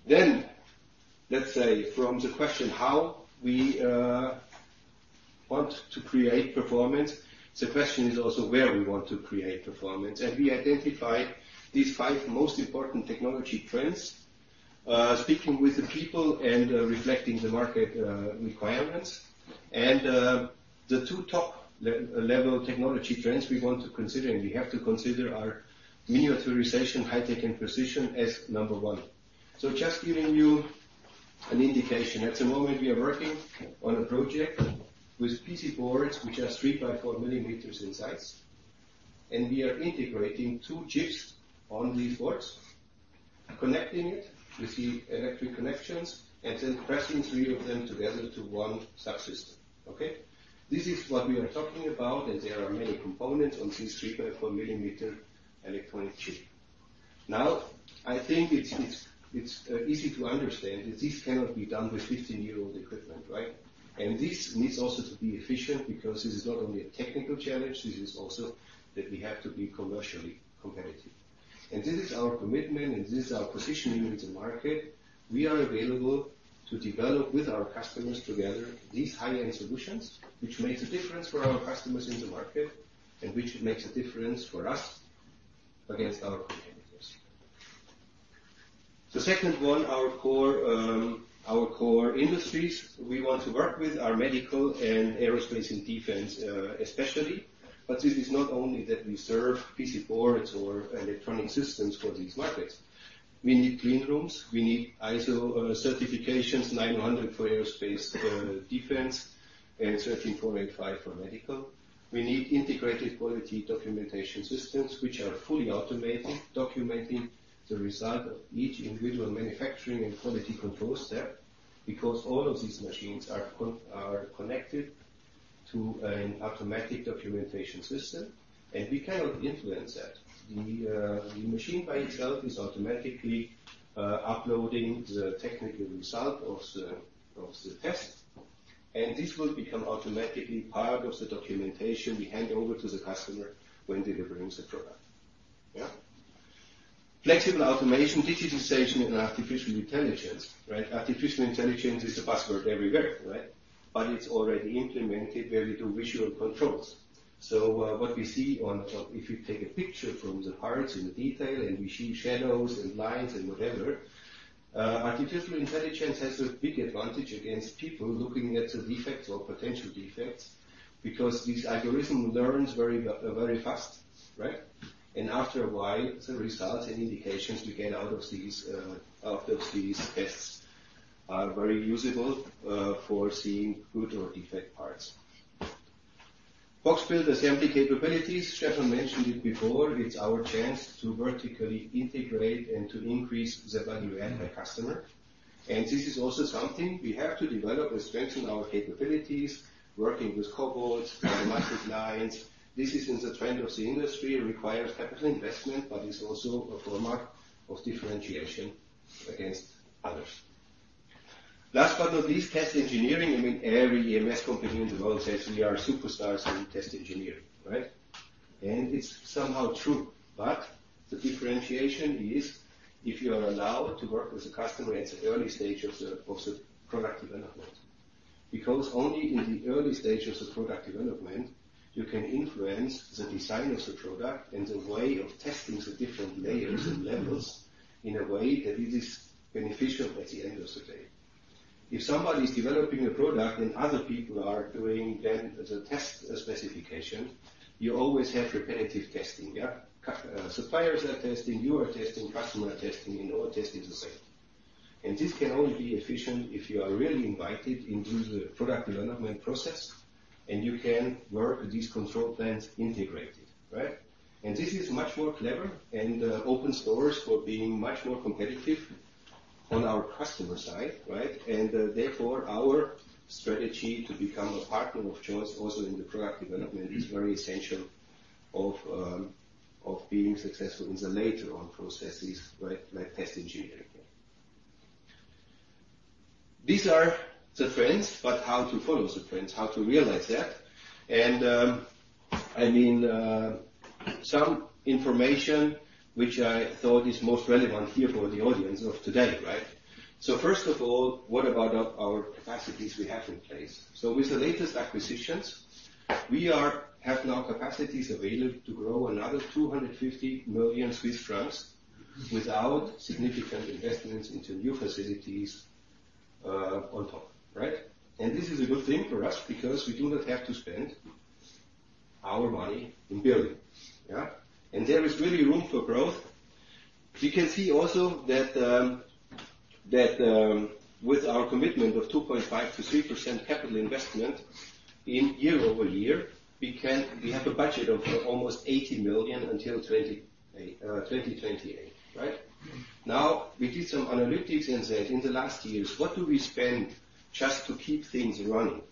C: Then let's say from the question how we want to create performance, the question is also where we want to create performance. And we identify these five most important technology trends, speaking with the people and reflecting the market requirements. And the two top level technology trends we want to consider, and we have to consider are miniaturization, high-tech, and precision as number one. Just giving you an indication, at the moment we are working on a project with PC boards which are three by four millimeters in size, and we are integrating two chips on these boards, connecting it with the electric connections, and then pressing three of them together to one subsystem. Okay? This is what we are talking about, and there are many components on this three by four millimeter electronic chip. Now, I think it's easy to understand that this cannot be done with 15-year-old equipment, right? And this needs also to be efficient because this is not only a technical challenge, this is also that we have to be commercially competitive. And this is our commitment, and this is our positioning in the market. We are available to develop with our customers together these high-end solutions, which make a difference for our customers in the market and which makes a difference for us against our competitors. The second one, our core industries we want to work with are medical and aerospace and defense, especially, but this is not only that we serve PC boards or electronic systems for these markets. We need clean rooms. We need ISO 9001 certifications for aerospace and defense, and ISO 13485 for medical. We need integrated quality documentation systems which are fully automated, documenting the result of each individual manufacturing and quality control step because all of these machines are connected to an automatic documentation system, and we cannot influence that. The machine by itself is automatically uploading the technical result of the test. This will become automatically part of the documentation we hand over to the customer when delivering the product. Yeah? Flexible automation, digitization, and artificial intelligence, right? Artificial intelligence is a buzzword everywhere, right? But it's already implemented where we do visual controls. What we see on, if you take a picture from the parts in detail and we see shadows and lines and whatever, artificial intelligence has a big advantage against people looking at the defects or potential defects because this algorithm learns very, very fast, right? And after a while, the results and indications we get out of these tests are very usable for seeing good or defect parts. Box build assembly capabilities, Stefan mentioned it before. It's our chance to vertically integrate and to increase the value-add by customer. This is also something we have to develop and strengthen our capabilities, working with cobots, automatic lines. This is in the trend of the industry. It requires capital investment, but it's also a format of differentiation against others. Last but not least, test engineering. I mean, every EMS company in the world says we are superstars in test engineering, right? And it's somehow true. But the differentiation is if you are allowed to work with a customer at the early stage of the product development because only in the early stage of the product development, you can influence the design of the product and the way of testing the different layers and levels in a way that it is beneficial at the end of the day. If somebody's developing a product and other people are doing then the test specification, you always have repetitive testing. Yeah? Customers, suppliers are testing, you are testing, customers are testing, and all tests are the same. This can only be efficient if you are really invited into the product development process and you can work with these control plans integrated, right? This is much more clever and opens doors for being much more competitive on our customer side, right? Therefore our strategy to become a partner of choice also in the product development is very essential of being successful in the later on processes, right, like test engineering. These are the trends, but how to follow the trends, how to realize that. I mean, some information which I thought is most relevant here for the audience of today, right? First of all, what about our capacities we have in place? With the latest acquisitions, we now have capacities available to grow another 250 million Swiss francs without significant investments into new facilities, on top, right? This is a good thing for us because we do not have to spend our money in building. Yeah? There is really room for growth. You can see also that with our commitment of 2.5%-3% capital investment year-over-year, we have a budget of almost 80 million until 2028, right? Now we did some analytics and said in the last years, what do we spend just to keep things running?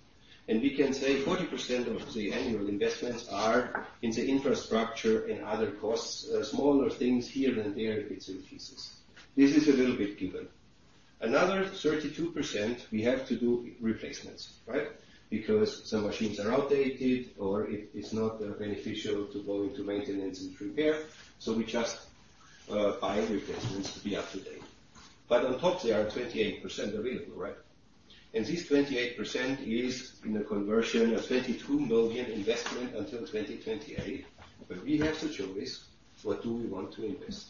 C: We can say 40% of the annual investments are in the infrastructure and other costs, smaller things here and there, bits and pieces. This is a little bit given. Another 32% we have to do replacements, right? Because some machines are outdated or it is not beneficial to go into maintenance and repair. So we just buy replacements to be up to date. But on top, there are 28% available, right? And this 28% is in the conversion of 22 million investment until 2028. But we have the choice, what do we want to invest?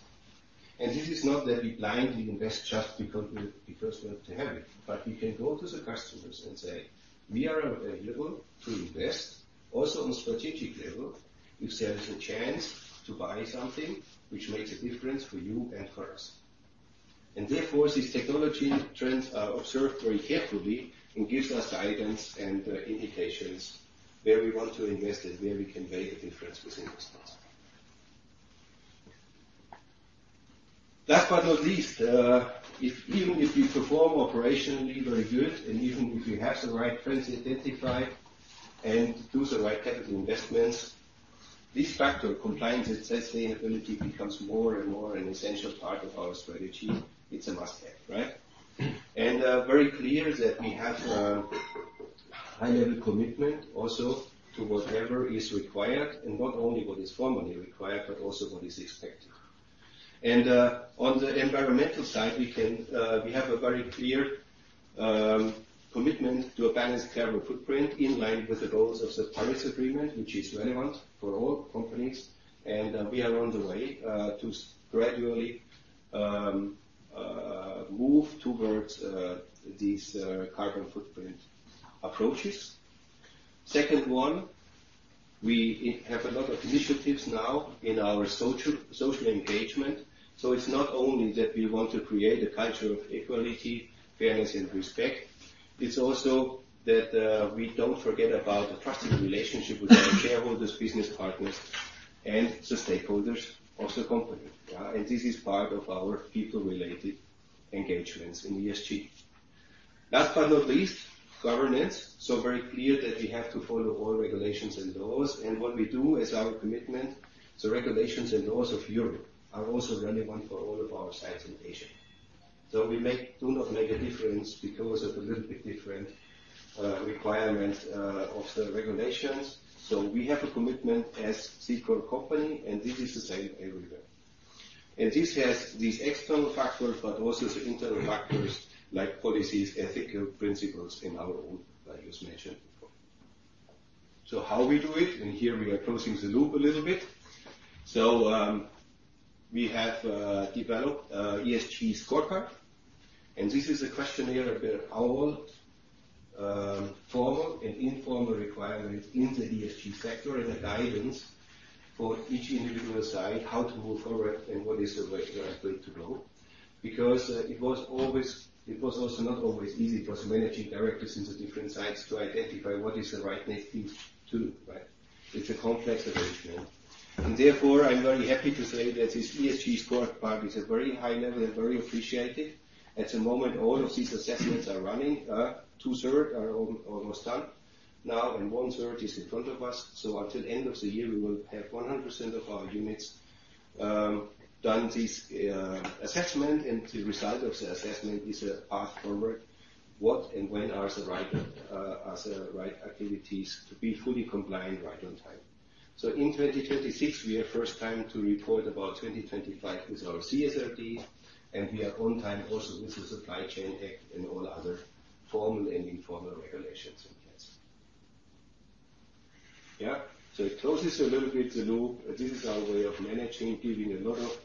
C: And this is not that we blindly invest just because we, because we have to have it, but we can go to the customers and say, "We are available to invest also on strategic level. If there is a chance to buy something which makes a difference for you and for us." And therefore these technology trends are observed very carefully and gives us guidance and indications where we want to invest and where we can make a difference with investments. Last but not least, even if we perform operationally very good and even if we have the right trends identified and do the right capital investments, this factor, compliance and sustainability, becomes more and more an essential part of our strategy. It's a must-have, right, and very clear that we have high-level commitment also to whatever is required and not only what is formally required, but also what is expected, and on the environmental side, we have a very clear commitment to a balanced carbon footprint in line with the goals of the Paris Agreement, which is relevant for all companies, and we are on the way to gradually move towards these carbon footprint approaches. Second one, we have a lot of initiatives now in our social engagement, so it's not only that we want to create a culture of equality, fairness, and respect. It's also that, we don't forget about the trusting relationship with our shareholders, business partners, and the stakeholders of the company. Yeah? And this is part of our people-related engagements in ESG. Last but not least, governance. So very clear that we have to follow all regulations and laws. And what we do is our commitment. So regulations and laws of Europe are also relevant for all of our sites in Asia. So we do not make a difference because of a little bit different requirement of the regulations. So we have a commitment as Cicor company, and this is the same everywhere. And this has these external factors, but also the internal factors like policies, ethical principles in our own, like I just mentioned before. So how we do it? And here we are closing the loop a little bit. So we have developed ESG scorecard. And this is a questionnaire about our formal and informal requirements in the ESG sector and the guidance for each individual site how to move forward and what is the right, right way to go. Because it was always, it was also not always easy for the managing directors in the different sites to identify what is the right thing to do, right? It's a complex arrangement. And therefore I'm very happy to say that this ESG scorecard is at very high level and very appreciated. At the moment, all of these assessments are running. Two-thirds are almost done now, and one-third is in front of us. So until the end of the year, we will have 100% of our units done this assessment. And the result of the assessment is a path forward. What and when are the right activities to be fully compliant right on time? So in 2026, we are first time to report about 2025 with our CSRD, and we are on time also with the Supply Chain Act and all other formal and informal regulations in place. Yeah? So it closes a little bit the loop. This is our way of managing, giving a lot of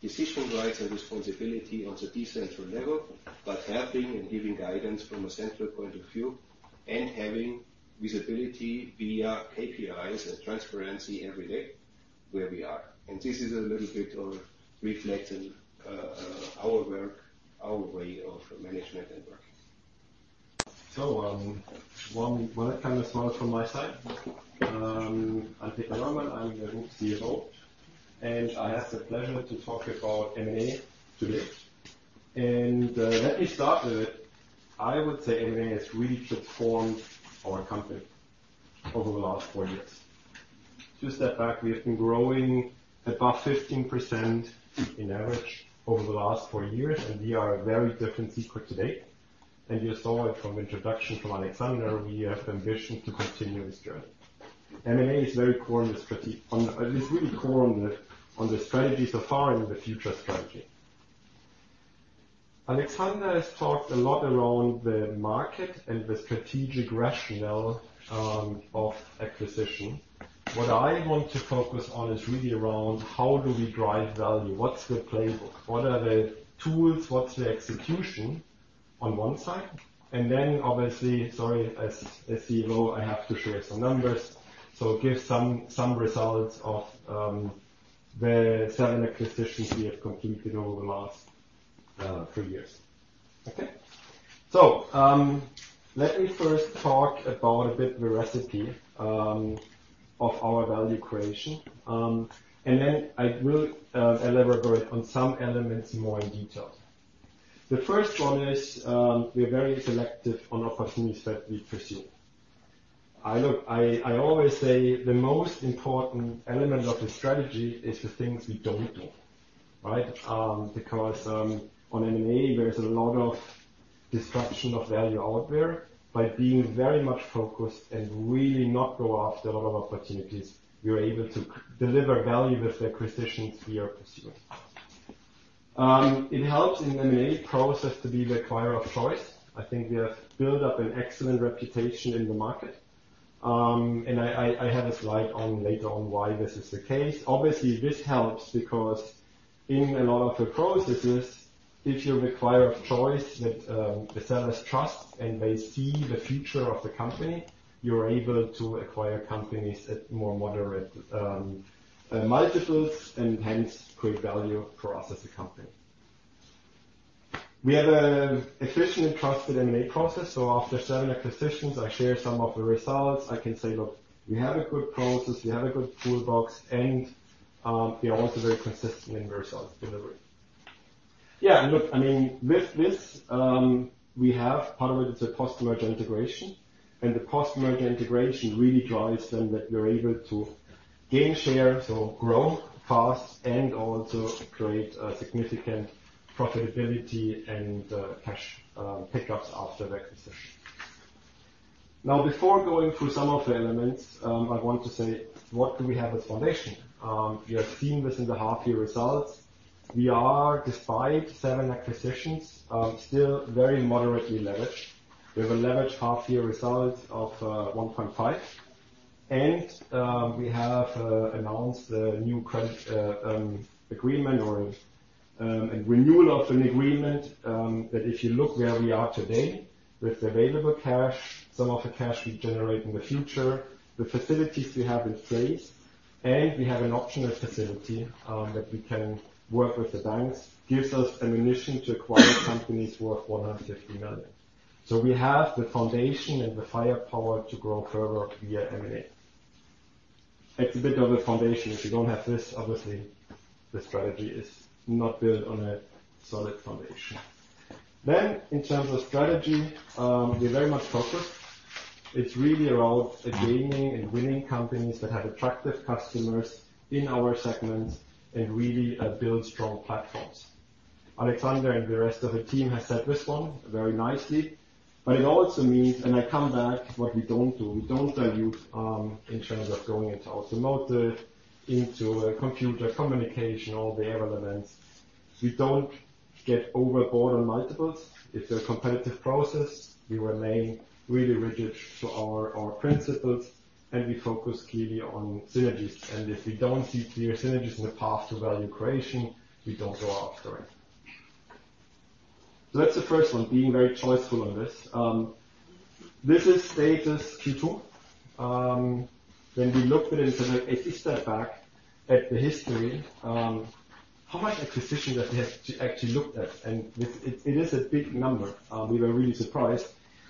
C: decision rights and responsibility on the decentral level, but helping and giving guidance from a central point of view and having visibility via KPIs and transparency every day where we are. And this is a little bit of reflecting, our work, our way of management and working.
D: So, one more kind of slide from my side. I'm Peter Neumann. I'm the Group CFO, and I have the pleasure to talk about M&A today. And, let me start with it. I would say M&A has really transformed our company over the last four years. To step back, we have been growing about 15% on average over the last four years, and we are a very different Cicor today. And you saw it from the introduction from Alexander. We have the ambition to continue this journey. M&A is very core in the strategy. It's really core to the strategy so far and the future strategy. Alexander has talked a lot about the market and the strategic rationale of acquisition. What I want to focus on is really around how do we drive value? What's the playbook? What are the tools? What's the execution on one side? And then obviously, sorry, as CEO, I have to share some numbers. So give some results of the seven acquisitions we have completed over the last three years. Okay? So, let me first talk about a bit the recipe of our value creation, and then I will elaborate on some elements more in detail. The first one is we are very selective on opportunities that we pursue. I always say the most important element of the strategy is the things we don't do, right? Because on M&A, there's a lot of destruction of value out there. By being very much focused and really not going after a lot of opportunities, we are able to deliver value with the acquisitions we are pursuing. It helps in the M&A process to be the acquirer of choice. I think we have built up an excellent reputation in the market, and I have a slide on later on why this is the case. Obviously, this helps because in a lot of the processes, if you're an acquirer of choice, that the sellers trust and they see the future of the company, you're able to acquire companies at more moderate multiples and hence create value for us as a company. We have an efficient and trusted M&A process. So after seven acquisitions, I share some of the results. I can say, "Look, we have a good process. We have a good toolbox, and we are also very consistent in the results delivery." Yeah. And look, I mean, with this, we have part of it is a customer-centric integration. And the customer-centric integration really drives them that you're able to gain share, so grow fast and also create a significant profitability and cash pickups after the acquisition. Now, before going through some of the elements, I want to say, what do we have as foundation? We have seen this in the half-year results. We are, despite seven acquisitions, still very moderately leveraged. We have a leveraged half-year result of 1.5. And we have announced the new credit agreement or a renewal of an agreement that if you look where we are today with the available cash, some of the cash we generate in the future, the facilities we have in place, and we have an optional facility that we can work with the banks, gives us ammunition to acquire companies worth 150 million. So we have the foundation and the firepower to grow further via M&A. It's a bit of a foundation. If you don't have this, obviously the strategy is not built on a solid foundation. Then in terms of strategy, we're very much focused. It's really around gaining and winning companies that have attractive customers in our segments and really build strong platforms. Alexander and the rest of the team have said this one very nicely. But it also means, and I come back, what we don't do, we don't dilute, in terms of going into automotive, into computer communication, all the elements. We don't get overboard on multiples. If there are competitive processes, we remain really rigid to our principles, and we focus clearly on synergies. And if we don't see clear synergies in the path to value creation, we don't go after it. So that's the first one, being very choiceful on this. This is status Q2. When we looked at it and said, "Look, if we step back at the history, how much acquisition do we have to actually look at?" And it is a big number. We were really surprised.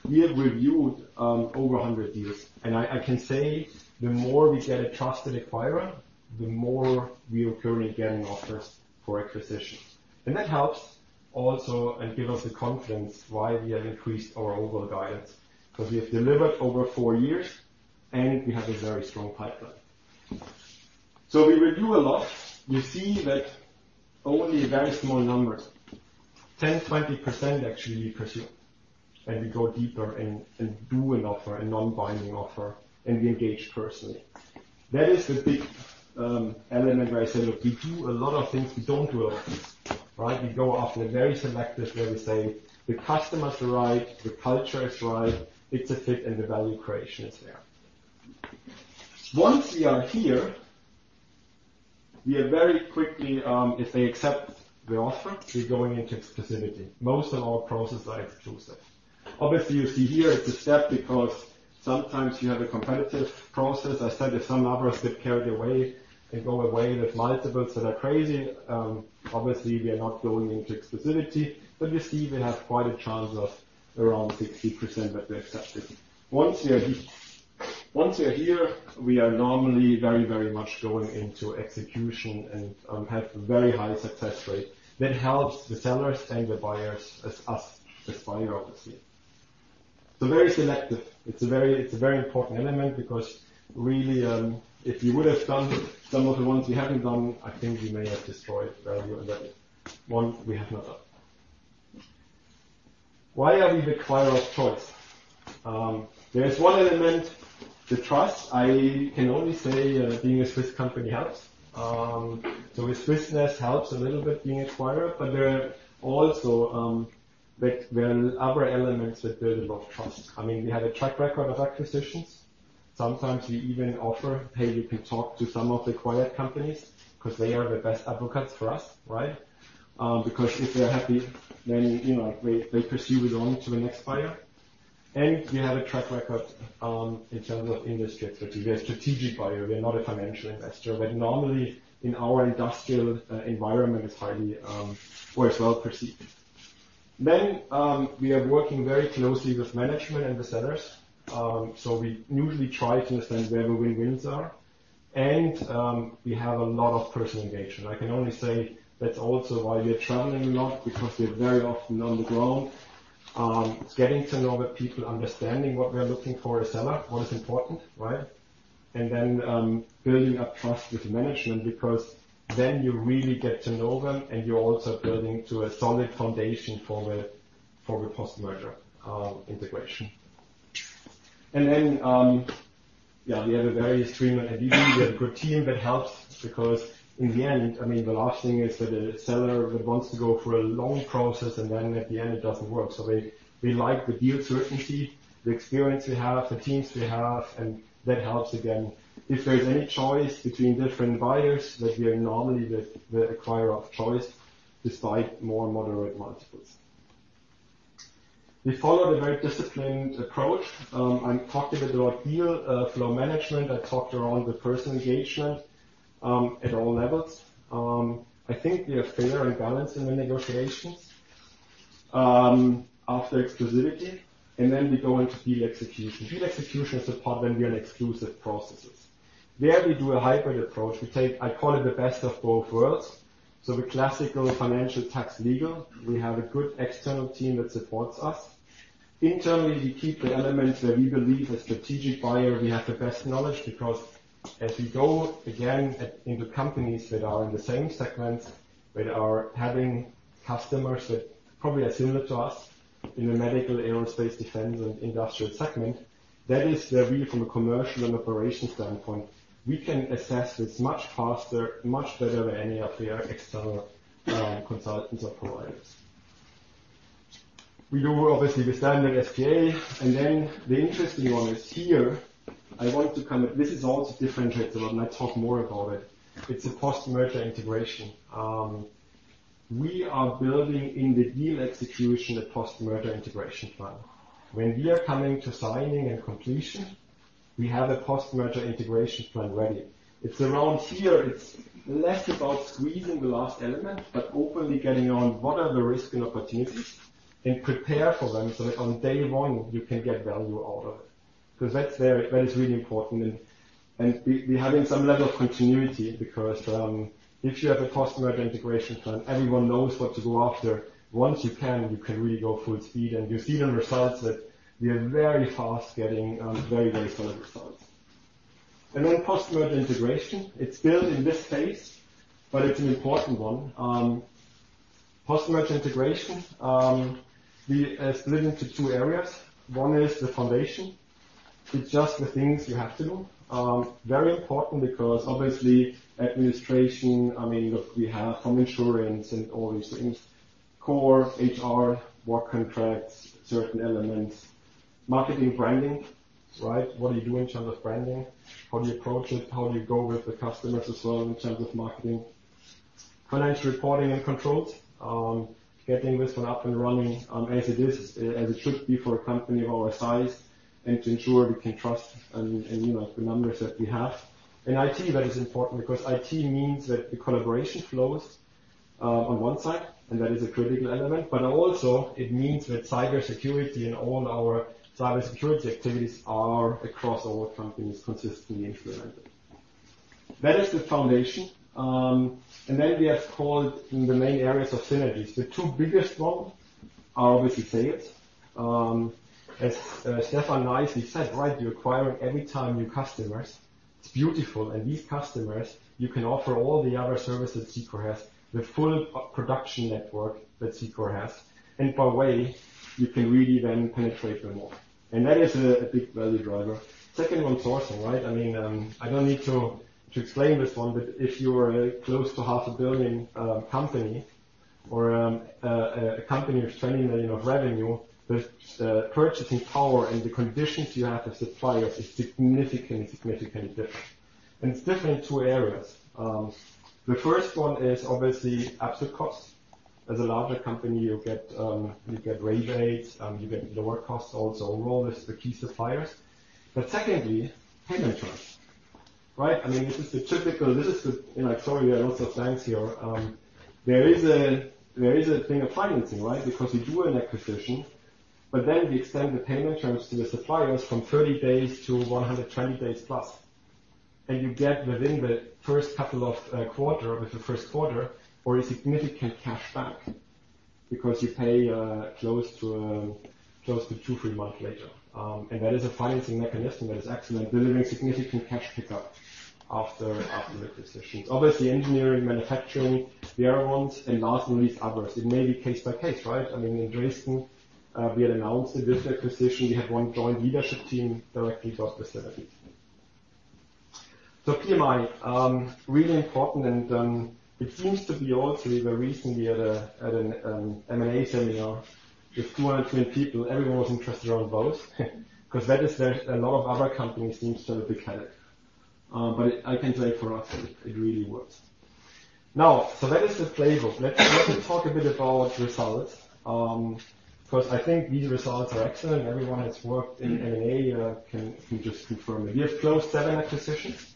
D: We have reviewed over 100 deals. And I can say the more we get a trusted acquirer, the more we are currently getting offers for acquisition. And that helps also and gives us the confidence why we have increased our overall guidance. Because we have delivered over four years, and we have a very strong pipeline. So we review a lot. You see that only very small numbers, 10%-20% actually we pursue. And we go deeper and do an offer, a non-binding offer, and we engage personally. That is the big element where I say, "Look, we do a lot of things. We don't do a lot of things," right? We go after very selective where we say the customer's right, the culture is right, it's a fit, and the value creation is there. Once we are here, we are very quickly, if they accept the offer, we're going into exclusivity. Most of our processes are exclusive. Obviously, you see here it's a step because sometimes you have a competitive process. I said if some numbers get carried away and go away with multiples that are crazy, obviously we are not going into exclusivity. But you see we have quite a chance of around 60% that they accept it. Once we are here, once we are here, we are normally very, very much going into execution and have a very high success rate. That helps the sellers and the buyers, as us, as buyers obviously. So very selective. It's a very, it's a very important element because really, if you would have done some of the ones we haven't done, I think we may have destroyed value and that one we have not done. Why are we the acquirer of choice? There's one element, the trust. I can only say, being a Swiss company helps, so Swissness helps a little bit being acquirer, but there are also other elements that build a lot of trust. I mean, we have a track record of acquisitions. Sometimes we even offer, "Hey, you can talk to some of the acquired companies because they are the best advocates for us," right, because if they're happy, then, you know, they won't go on to the next buyer, and we have a track record in terms of industry expertise. We are a strategic buyer. We are not a financial investor, but normally in our industrial environment, it's highly, or it's well perceived, then we are working very closely with management and the sellers, so we usually try to understand where the win-wins are, and we have a lot of personal engagement. I can only say that's also why we are traveling a lot because we are very often on the ground, getting to know the people, understanding what we're looking for as seller, what is important, right? And then, building up trust with management because then you really get to know them and you're also building to a solid foundation for the post-merger integration. And then, yeah, we have a very streamlined MVP. We have a good team that helps because in the end, I mean, the last thing is that a seller that wants to go through a long process and then at the end it doesn't work. So we like the deal certainty, the experience we have, the teams we have, and that helps again. If there's any choice between different buyers, that we are normally the acquirer of choice despite more moderate multiples. We followed a very disciplined approach. I talked a bit about deal flow management. I talked around the personal engagement at all levels. I think we have fair and balanced in the negotiations after exclusivity, and then we go into deal execution. Deal execution is the part when we are in exclusive processes. There we do a hybrid approach. We take, I call it the best of both worlds, so the classical financial, tax, legal, we have a good external team that supports us. Internally, we keep the elements that we believe as strategic buyer we have the best knowledge because as we go again into companies that are in the same segments, that are having customers that probably are similar to us in the medical, aerospace, defense, and industrial segment, that is the real from a commercial and operational standpoint. We can assess this much faster, much better than any of their external consultants or providers. We do, obviously, the standard SPA. And then the interesting one is here. I want to come at this. This is also differentiates a lot. And I talk more about it. It's a post-merger integration. We are building in the deal execution the post-merger integration plan. When we are coming to signing and completion, we have a post-merger integration plan ready. It's around here. It's less about squeezing the last element, but openly getting on what are the risk and opportunities and prepare for them so that on day one you can get value out of it. Because that is really important. And we have in some level of continuity because if you have a post-merger integration plan, everyone knows what to go after. Once you can, you can really go full speed. And you see the results that we are very fast getting, very, very solid results. And then post-merger integration, it's built in this phase, but it's an important one. Post-merger integration, we are split into two areas. One is the foundation. It's just the things you have to do. Very important because obviously administration, I mean, look, we have from insurance and all these things, core HR, work contracts, certain elements, marketing branding, right? What are you doing in terms of branding? How do you approach it? How do you go with the customers as well in terms of marketing? Financial reporting and controls, getting this one up and running, as it is, as it should be for a company of our size and to ensure we can trust and you know the numbers that we have. IT is important because IT means that the collaboration flows, on one side, and that is a critical element. But also it means that cybersecurity and all our cybersecurity activities are across all companies consistently implemented. That is the foundation. Then we have called in the main areas of synergies. The two biggest ones are obviously sales. As Stefan nicely said, right, you're acquiring every time new customers. It's beautiful. And these customers, you can offer all the other services Cicor has, the full production network that Cicor has. And by way, you can really then penetrate them more. And that is a big value driver. Second one, sourcing, right? I mean, I don't need to explain this one, but if you are close to 500 million company or a company of 20 million revenue, the purchasing power and the conditions you have to supply is significantly different. And it's different in two areas. The first one is obviously absolute cost. As a larger company, you'll get rebates, you get lower costs also. All this, the key suppliers. But secondly, payment terms, right? I mean, this is the typical, you know, sorry, there are lots of banks here. There is a thing of financing, right? Because we do an acquisition, but then we extend the payment terms to the suppliers from 30 days to 120 days plus. And you get within the first couple of quarters within the first quarter or a significant cash back because you pay close to two, three months later. And that is a financing mechanism that is excellent, delivering significant cash pickup after the acquisitions. Obviously, engineering, manufacturing, their ones, and last but not least, others. It may be case by case, right? I mean, in Dresden, we had announced that this acquisition, we had one joint leadership team directly got the synergies. So PMI, really important. And it seems to be also we were recently at an M&A seminar with 210 people. Everyone was interested around both because that is where a lot of other companies seem to have a big headache. But I can say for us, it really works. Now, so that is the playbook. Let's talk a bit about results. Because I think these results are excellent. Everyone has worked in M&A can just confirm it. We have closed seven acquisitions.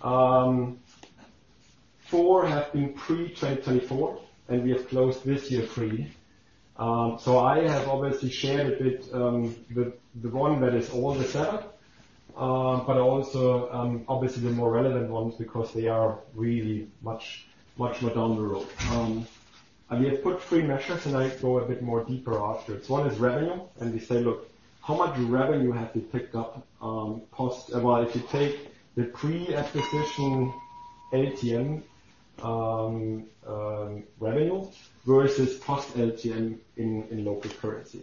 D: Four have been pre-2024, and we have closed this year three. So I have obviously shared a bit, the one that is all the setup, but also, obviously the more relevant ones because they are really much more down the road. We have put three measures, and I go a bit more deeper after. One is revenue. We say, "Look, how much revenue have we picked up, post, well, if you take the pre-acquisition LTM revenue versus post LTM in local currency."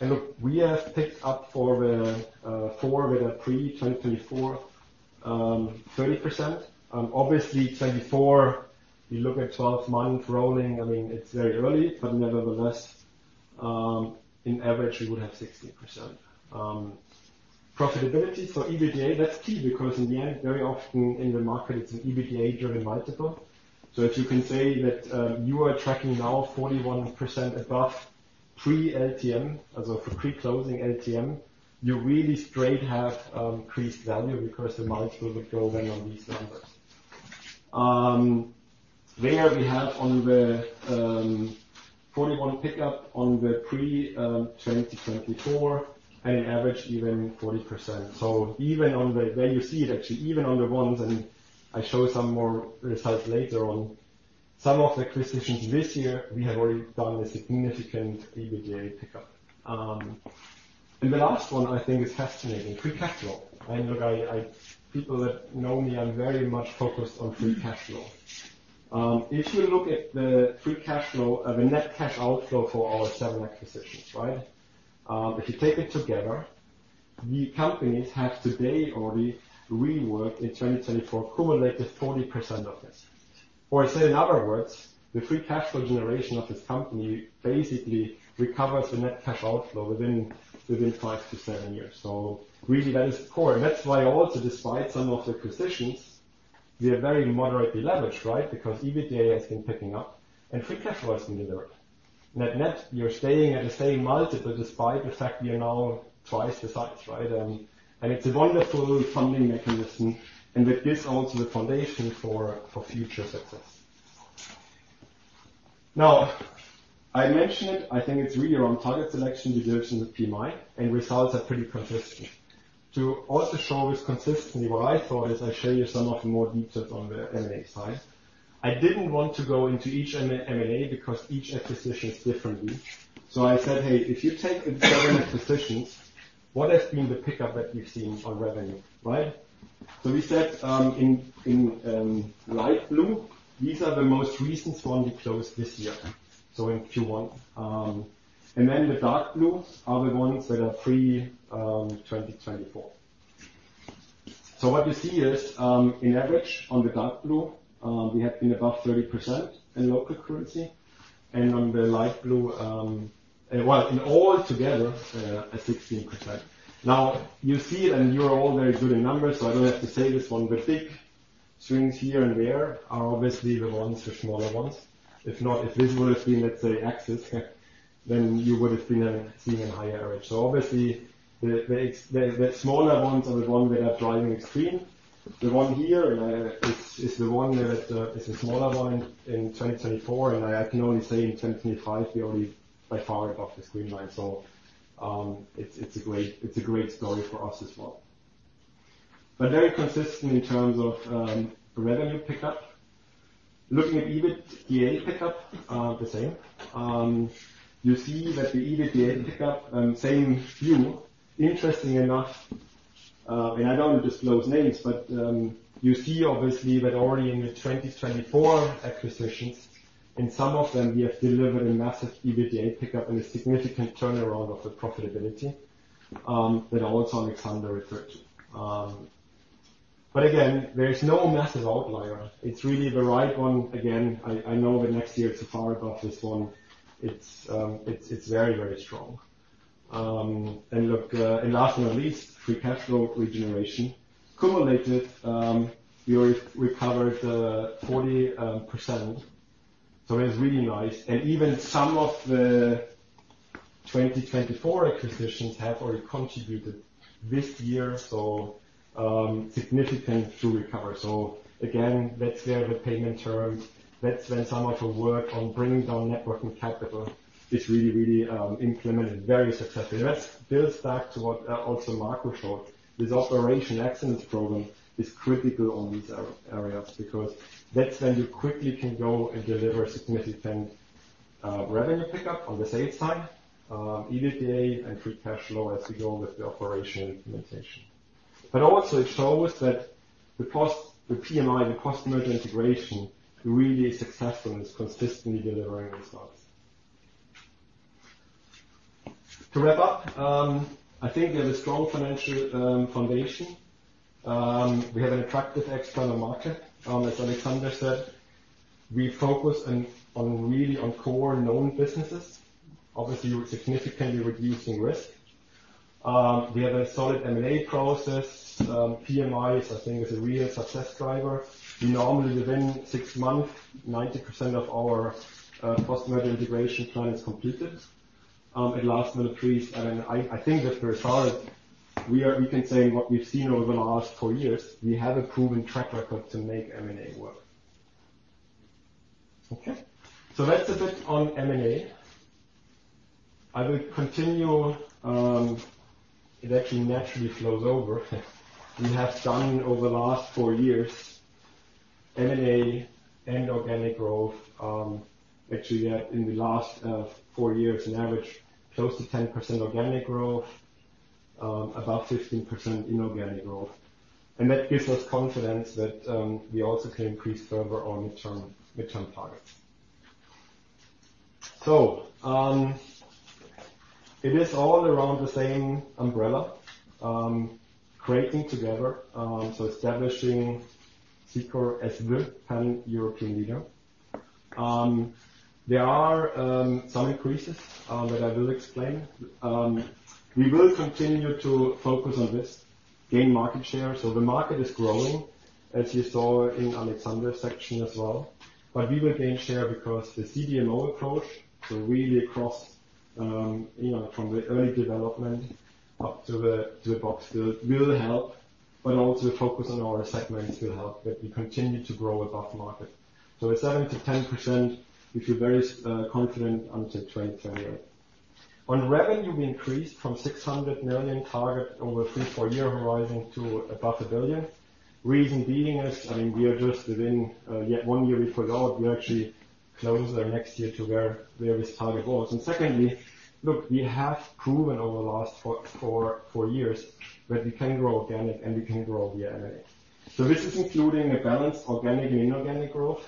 D: Look, we have picked up for the four pre-2024, 30%. Obviously 2024, we look at 12 months rolling. I mean, it's very early, but nevertheless, on average, we would have 16%. Profitability. So EBITDA, that's key because in the end, very often in the market, it's an EBITDA driven multiple. So if you can say that, you are tracking now 41% above pre-LTM, as of pre-closing LTM, you really straight have increased value because the multiple would go then on these numbers. There we have on the 41% pickup on the pre-2024, and in average, even 40%. So even on the there you see it actually even on the ones, and I show some more results later on. Some of the acquisitions this year, we have already done a significant EBITDA pickup and the last one I think is fascinating, free cash flow. And look, I people that know me, I'm very much focused on free cash flow. If you look at the free cash flow, the net cash outflow for our seven acquisitions, right? If you take it together, the companies have today already reworked in 2024, accumulated 40% of this. Or I say in other words, the free cash flow generation of this company basically recovers the net cash outflow within five to seven years. So really that is core. And that's why also, despite some of the acquisitions, we are very moderately leveraged, right? Because EBITDA has been picking up and free cash flow has been delivered. And at net, you're staying at the same multiple despite the fact we are now twice the size, right? And it's a wonderful funding mechanism. And that gives also the foundation for future success. Now, I mentioned it. I think it's really around target selection division with PMI, and results are pretty consistent. To also show this consistently, what I thought is I'll show you some of the more details on the M&A side. I didn't want to go into each M&A because each acquisition is different. So I said, "Hey, if you take the seven acquisitions, what has been the pickup that we've seen on revenue," right? So we said, in light blue, these are the most recent ones we closed this year. So in Q1 and then the dark blue are the ones that are pre-2024. So what you see is, in average on the dark blue, we had been above 30% in local currency. And on the light blue, well, in all together, at 16%. Now you see it, and you are all very good in numbers, so I don't have to say this one. The big swings here and there are obviously the ones with smaller ones. If not, if this would have been, let's say, axis, then you would have been seeing a higher average. So obviously the smaller ones are the ones that are driving extreme. The one here is the one that is the smaller one in 2024. And I can only say in 2025, we are already by far above the screen line. So it's a great story for us as well. But very consistent in terms of revenue pickup. Looking at EBITDA pickup, the same. You see that the EBITDA pickup, same view. Interesting enough, and I don't want to disclose names, but you see obviously that already in the 2024 acquisitions, in some of them, we have delivered a massive EBITDA pickup and a significant turnaround of the profitability, that also Alexander referred to. But again, there's no massive outlier. It's really the right one. Again, I know that next year it's far above this one. It's very, very strong. And look, and last but not least, free cash flow regeneration cumulated, we already recovered the 40%. So it's really nice. And even some of the 2024 acquisitions have already contributed this year. So, significant to recover. So again, that's where the payment terms, that's when some of the work on bringing down net working capital is really, really, implemented very successfully. And that's built back to what also Marco showed. This operational excellence program is critical on these areas because that's when you quickly can go and deliver significant revenue pickup on the sales side, EBITDA and free cash flow as we go with the operational implementation. But also it shows that the cost, the PMI, the post-merger integration really is successful and is consistently delivering results. To wrap up, I think we have a strong financial foundation. We have an attractive external market, as Alexander said. We focus on, on really on core known businesses, obviously significantly reducing risk. We have a solid M&A process. PMI is, I think, is a real success driver. We normally within six months, 90% of our post-merger integration plan is completed. It lasts for at least, I mean, I, I think that for a solid, we are, we can say in what we've seen over the last four years, we have a proven track record to make M&A work. Okay. That's a bit on M&A. I will continue. It actually naturally flows over. We have done over the last four years M&A and organic growth. Actually in the last four years, an average close to 10% organic growth, about 15% inorganic growth. And that gives us confidence that we also can increase further on the term midterm targets. It is all around the same umbrella, Creating Together, so establishing Cicor as the pan-European leader. There are some increases that I will explain. We will continue to focus on this, gain market share. The market is growing, as you saw in Alexander's section as well. But we will gain share because the CDMO approach, so really across, you know, from the early development up to the box build will help, but also the focus on our segments will help that we continue to grow above market. A 7%-10%, we feel very confident until 2028. On revenue, we increased from 600 million target over a three- to four-year horizon to above 1 billion. Reason being is, I mean, we are just within yet one year before the audit, we actually close our next year to where this target was. And secondly, look, we have proven over the last four years that we can grow organic and we can grow via M&A. So this is including a balanced organic and inorganic growth.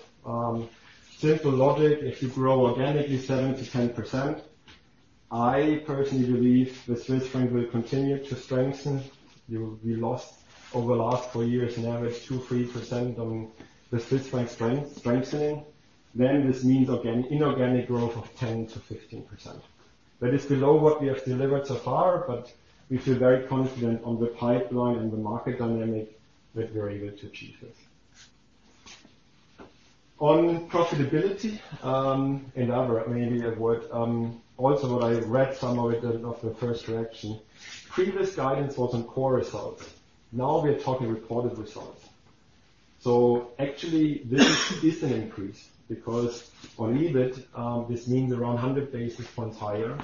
D: Simple logic, if you grow organically 7%-10%, I personally believe the Swiss franc will continue to strengthen. We lost over the last four years an average 2%-3% on the Swiss franc strengthening. Then this means organic, inorganic growth of 10%-15%. That is below what we have delivered so far, but we feel very confident on the pipeline and the market dynamic that we're able to achieve this. On profitability, and other maybe a word, also what I read some of it of the first reaction. Previous guidance was on core results. Now we are talking reported results. So actually this is an increase because on EBIT, this means around 100 basis points higher.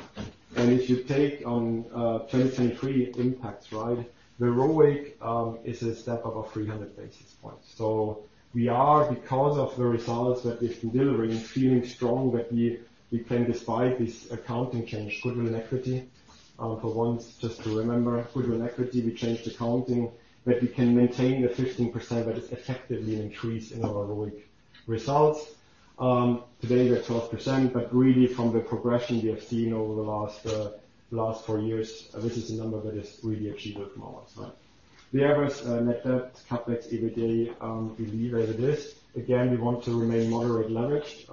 D: And if you take on 2023 impacts, right, the ROIC is a step up of 300 basis points. So we are, because of the results that we've been delivering and feeling strong that we can despite this accounting change, goodwill and equity, for once, just to remember, goodwill and equity, we changed accounting, that we can maintain the 15% that is effectively increased in our ROIC results. Today we are 12%, but really from the progression we have seen over the last four years, this is a number that is really achievable from our side. The others, Net Debt, CapEx, EBITDA, we leave as it is. Again, we want to remain moderate leverage.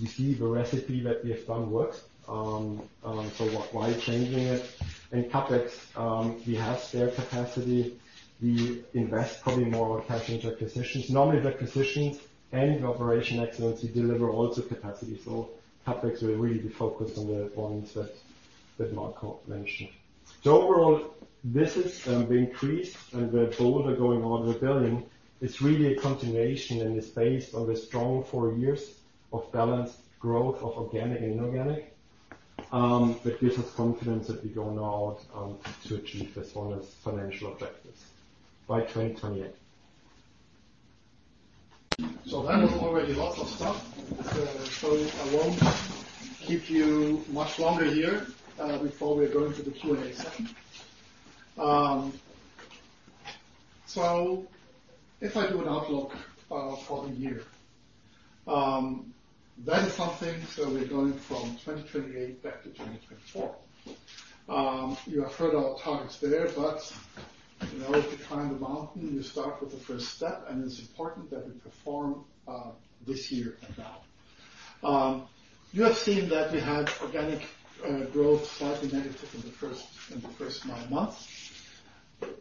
D: We see the recipe that we have done works. So why changing it? And CapEx, we have spare capacity. We invest probably more cash into acquisitions. Normally the acquisitions and the operational excellence, we deliver also capacity. So CapEx will really be focused on the ones that Marco mentioned. So overall, this is the increase and the bold or going forward rebuilding. It is really a continuation and it is based on the strong four years of balanced growth of organic and inorganic, that gives us confidence that we now go out to achieve as well as financial objectives by 2028.
A: So that was already lots of stuff. So I won't keep you much longer here before we are going to the Q&A session. So if I do an outlook for the year, that is something, so we're going from 2028 back to 2024. You have heard our targets there, but you know, if you climb the mountain, you start with the first step, and it's important that we perform this year and now. You have seen that we had organic growth slightly negative in the first nine months,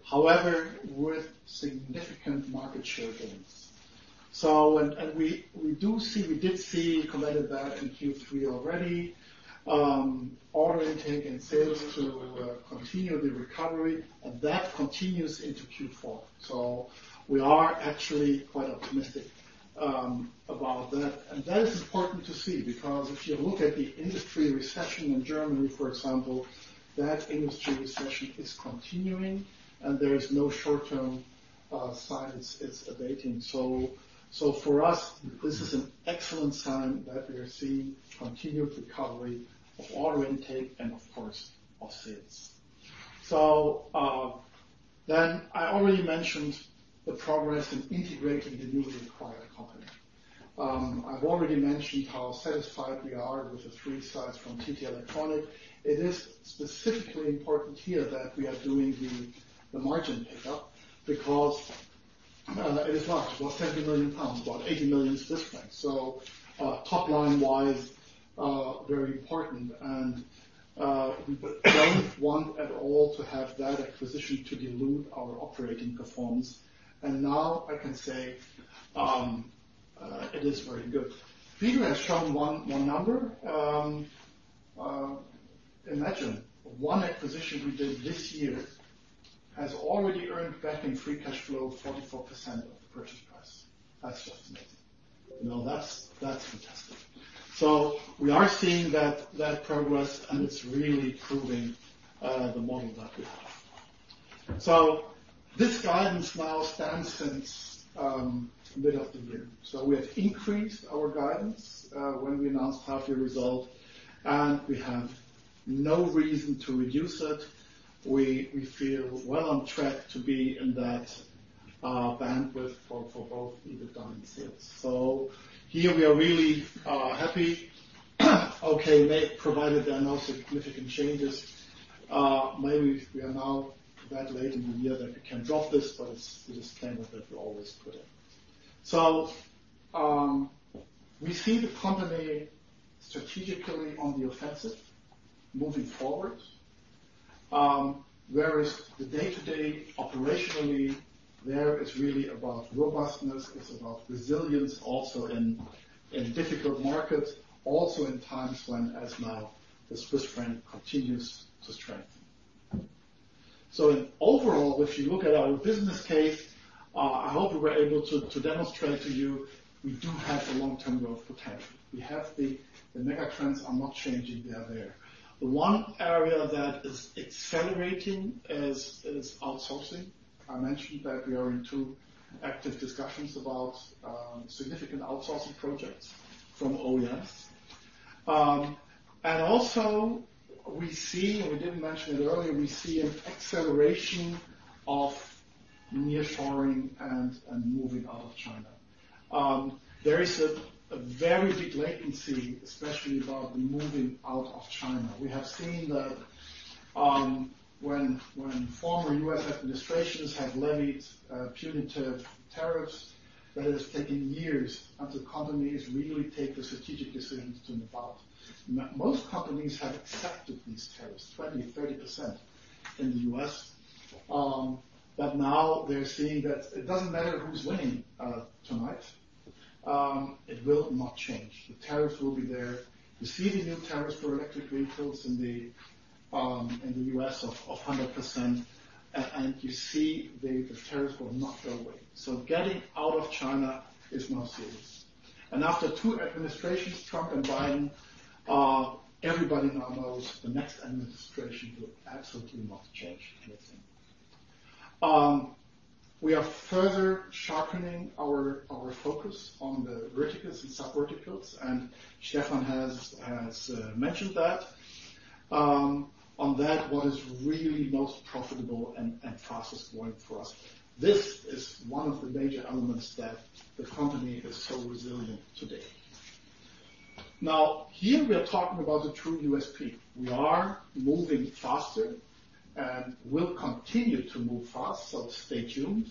A: however, with significant market share gains. So, we do see. We did see commitment to that in Q3 already, order intake and sales to continue the recovery, and that continues into Q4, so we are actually quite optimistic about that. That is important to see because if you look at the industry recession in Germany, for example, that industry recession is continuing, and there is no short-term signs it's abating. So for us, this is an excellent sign that we are seeing continued recovery of order intake and of course of sales. Then I already mentioned the progress in integrating the newly acquired company. I've already mentioned how satisfied we are with the three sites from TT Electronics. It is specifically important here that we are doing the margin pickup because it is large, about 70 million pounds, about 80 million Swiss francs. Top line wise, very important. We don't want at all to have that acquisition to dilute our operating performance. Now I can say it is very good. Peter has shown one number. Imagine one acquisition we did this year has already earned back in free cash flow 44% of the purchase price. That's just amazing. You know, that's, that's fantastic. So we are seeing that, that progress, and it's really proving the model that we have. So this guidance now stands since mid of the year. So we have increased our guidance when we announced half year result, and we have no reason to reduce it. We, we feel well on track to be in that bandwidth for, for both EBITDA and sales. So here we are really happy. Okay, provided there are no significant changes. Maybe we are now so late in the year that we can drop this, but it's, it is a disclaimer that we always put in. So we see the company strategically on the offensive moving forward. Whereas the day-to-day operationally, it's really about robustness. It's about resilience also in difficult markets, also in times when as now the Swiss franc continues to strengthen, so in overall, if you look at our business case, I hope we were able to demonstrate to you we do have a long-term growth potential. We have the mega trends are not changing. They are there. The one area that is accelerating is outsourcing. I mentioned that we are in two active discussions about significant outsourcing projects from OEMs, and also we see, and we didn't mention it earlier, we see an acceleration of nearshoring and moving out of China. There is a very big latency, especially about the moving out of China. We have seen that, when former U.S. administrations have levied punitive tariffs, that has taken years until companies really take the strategic decisions to move out. Most companies have accepted these tariffs, 20%-30% in the U.S. But now they're seeing that it doesn't matter who's winning tonight. It will not change. The tariffs will be there. You see the new tariffs for electric vehicles in the U.S. of 100%. And you see the tariffs will not go away. So getting out of China is now serious. And after two administrations, Trump and Biden, everybody now knows the next administration will absolutely not change anything. We are further sharpening our focus on the verticals and subverticals. And Stefan has mentioned that. On that, what is really most profitable and fastest going for us. This is one of the major elements that the company is so resilient today. Now here we are talking about the true U.S.P. We are moving faster and will continue to move fast. So stay tuned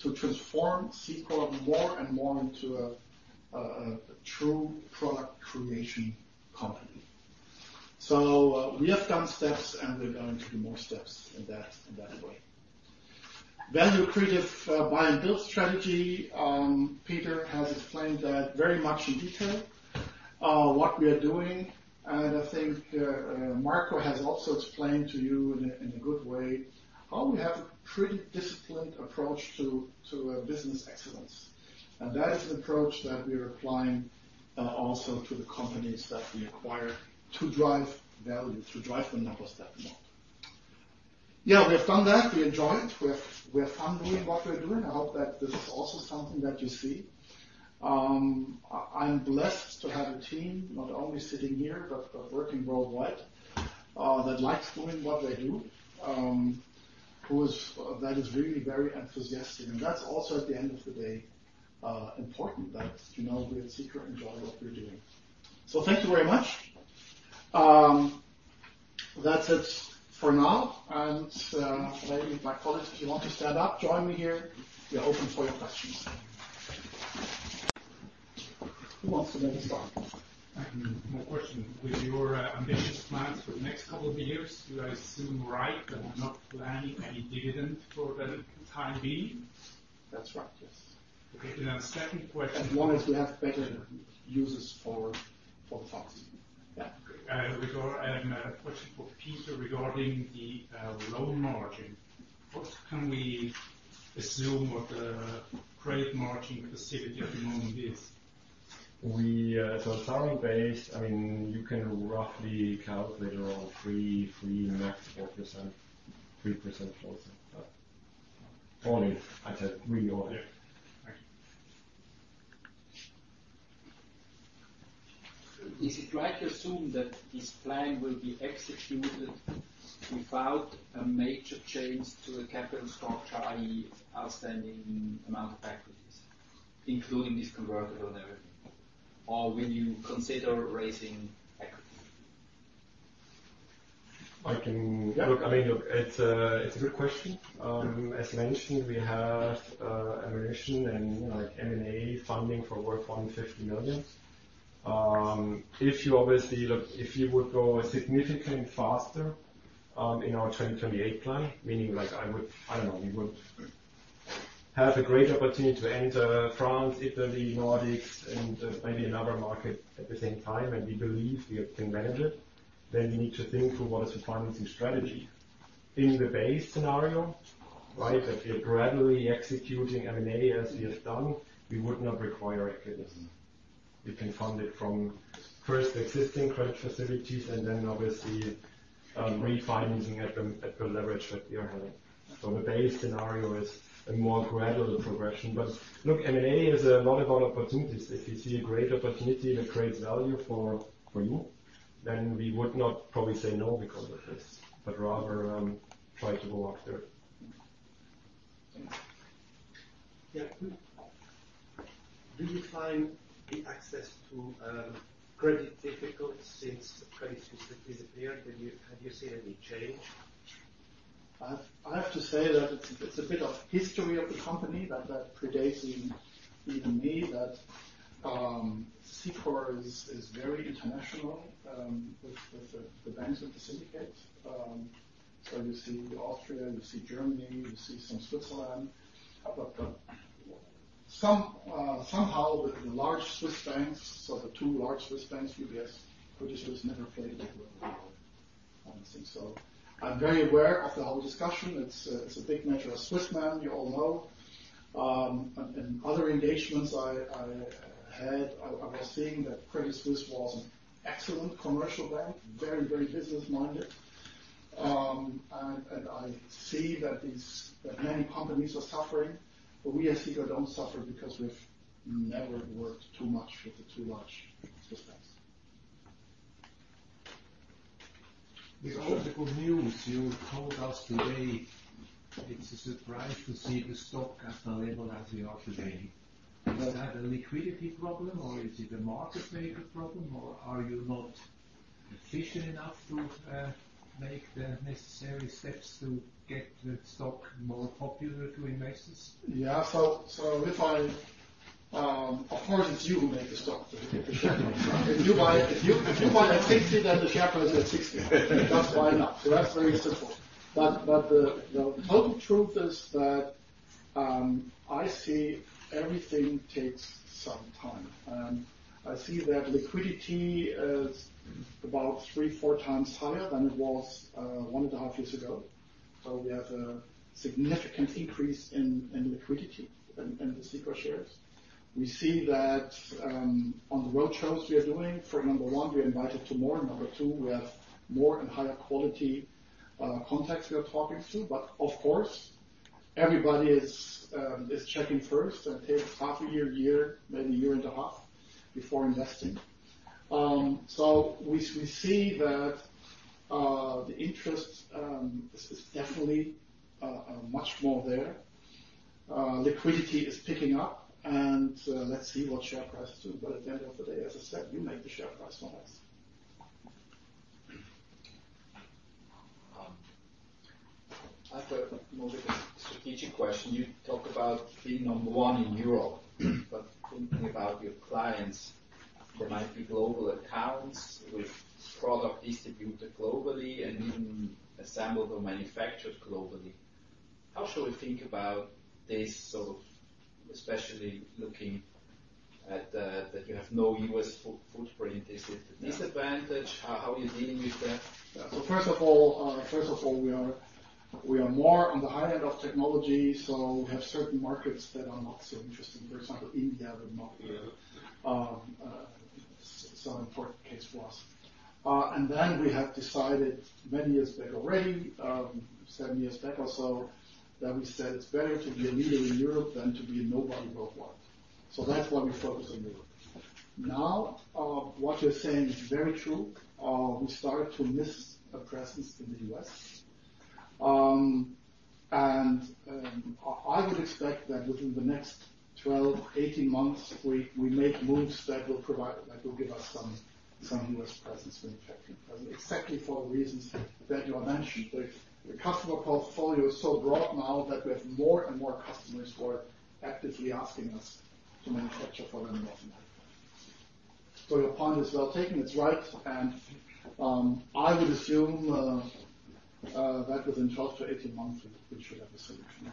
A: to transform Cicor more and more into a true product creation company. We have done steps and we're going to do more steps in that way. Value creative, buy and build strategy. Peter has explained that very much in detail, what we are doing. And I think, Marco has also explained to you in a good way how we have a pretty disciplined approach to business excellence. And that is an approach that we are applying also to the companies that we acquire to drive value, to drive the numbers that we want. Yeah, we have done that. We enjoy it. We have fun doing what we're doing. I hope that this is also something that you see. I'm blessed to have a team not only sitting here, but working worldwide, that likes doing what they do, that is really very enthusiastic. And that's also at the end of the day important that, you know, we at Cicor enjoy what we're doing. So thank you very much. That's it for now. Maybe my colleagues, if you want to stand up, join me here. We are open for your questions. Who wants to make a start?
E: My question, with your ambitious plans for the next couple of years, do I assume right that we're not planning any dividend for the time being? That's right, yes. Okay. Then second question.
A: One is we have better uses for the funds.
E: Yeah. Okay. Regarding, question for Peter regarding the loan margin. What can we assume the trade margin capacity at the moment is?
D: We, so target based, I mean, you can roughly calculate around three maximum percent, 3% closer. But all in, I said really all in.
E: Yeah. Thank you.
F: Is it right to assume that this plan will be executed without a major change to the capital structure, i.e., outstanding amount of equities, including dilution on everything? Or will you consider raising equity?
C: I can, yeah. Look, I mean, it's a good question. As mentioned, we have ambitions and like M&A funding worth 150 million. If obviously, look, if you would go significantly faster in our 2028 plan, meaning like I would, I don't know, we would have a great opportunity to enter France, Italy, Nordics, and maybe another market at the same time, and we believe we can manage it, then we need to think through what is the financing strategy. In the base scenario, right, that we are gradually executing M&A as we have done, we would not require equities. We can fund it from first existing credit facilities and then obviously, refinancing at the leverage that we are having. So the base scenario is a more gradual progression. But look, M&A is a lot about opportunities. If you see a great opportunity that creates value for you, then we would not probably say no because of this, but rather, try to go after it.
A: Yeah.
G: Do you find the access to credit difficult since credit has disappeared? Have you seen any change?
A: I have to say that it's a bit of history of the company that predates even me, that Cicor is very international, with the banks and the syndicates. You see Austria, you see Germany, you see some Switzerland, but somehow the large Swiss banks, so the two large Swiss banks, UBS, Credit Suisse never played that role in the world, I think. I'm very aware of the whole discussion. It's a big measure of Swissness, you all know and other engagements I had, I was seeing that Credit Suisse was an excellent commercial bank, very business-minded and I see that many companies are suffering, but we at Cicor don't suffer because we've never worked too much with the two large Swiss banks.
H: The Credit Suisse news you told us today, it's a surprise to see the stock at the level as we are today. Is that a liquidity problem or is it a market-maker problem or are you not efficient enough to make the necessary steps to get the stock more popular to investors?
A: Yeah. So, of course it's you who make the stock, if you buy it at 60, then the share price is at 60. That's why not. So that's very simple. But the total truth is that I see everything takes some time. I see that liquidity is about three, four times higher than it was one and a half years ago. So we have a significant increase in liquidity in the Cicor shares. We see that on the roadshows we are doing, for number one, we invited to more. Number two, we have more and higher quality contacts we are talking to. But of course, everybody is checking first and takes half a year, maybe a year and a half before investing. So we see that the interest is definitely much more there. Liquidity is picking up and let's see what share price do. But at the end of the day, as I said, you make the share price for us.
H: I have a more strategic question. You talk about being number one in Europe, but thinking about your clients, there might be global accounts with product distributed globally and even assembled or manufactured globally. How should we think about this sort of, especially looking at that you have no U.S. footprint? Is it a disadvantage? How are you dealing with that?
A: Yeah. So first of all, we are more on the high end of technology. We have certain markets that are not so interesting. For example, India would not be so important case for us, and then we have decided many years back already, seven years back or so, that we said it's better to be a leader in Europe than to be a nobody worldwide. That's why we focus on Europe. Now, what you're saying is very true. We started to miss a presence in the U.S., and I would expect that within the next 12-18 months, we make moves that will provide that will give us some U.S. presence manufacturing presence exactly for the reasons that you have mentioned. The customer portfolio is so broad now that we have more and more customers who are actively asking us to manufacture for them in North America. Your point is well taken. It's right. I would assume that within 12-18 months, we should have a solution.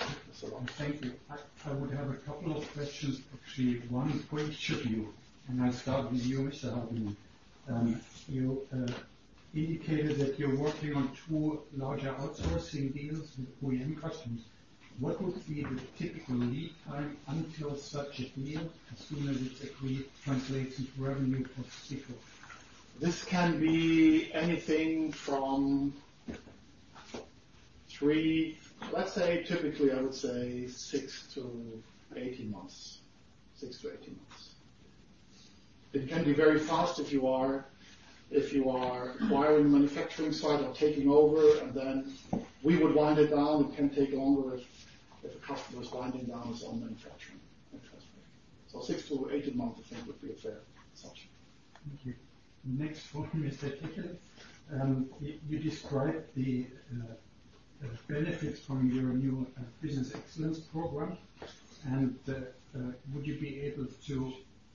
H: That's a lot. Thank you.
I: I would have a couple of questions actually, one for each of you. I'll start with you, Mr. Hagemann. You indicated that you're working on two larger outsourcing deals with OEM customers. What would be the typical lead time until such a deal, as soon as it's agreed, translates into revenue for Cicor?
A: This can be anything from three, let's say typically I would say six to 18 months.
I: Six to 18 months.
A: It can be very fast if you are, if you are acquiring the manufacturing site or taking over, and then we would wind it down. It can take longer if, if a customer is winding down his own manufacturing.
I: So six to 18 months, I think, would be a fair assumption. Thank you. Next question, Mr. Kechele. You described the benefits from your new business excellence program, and would you be able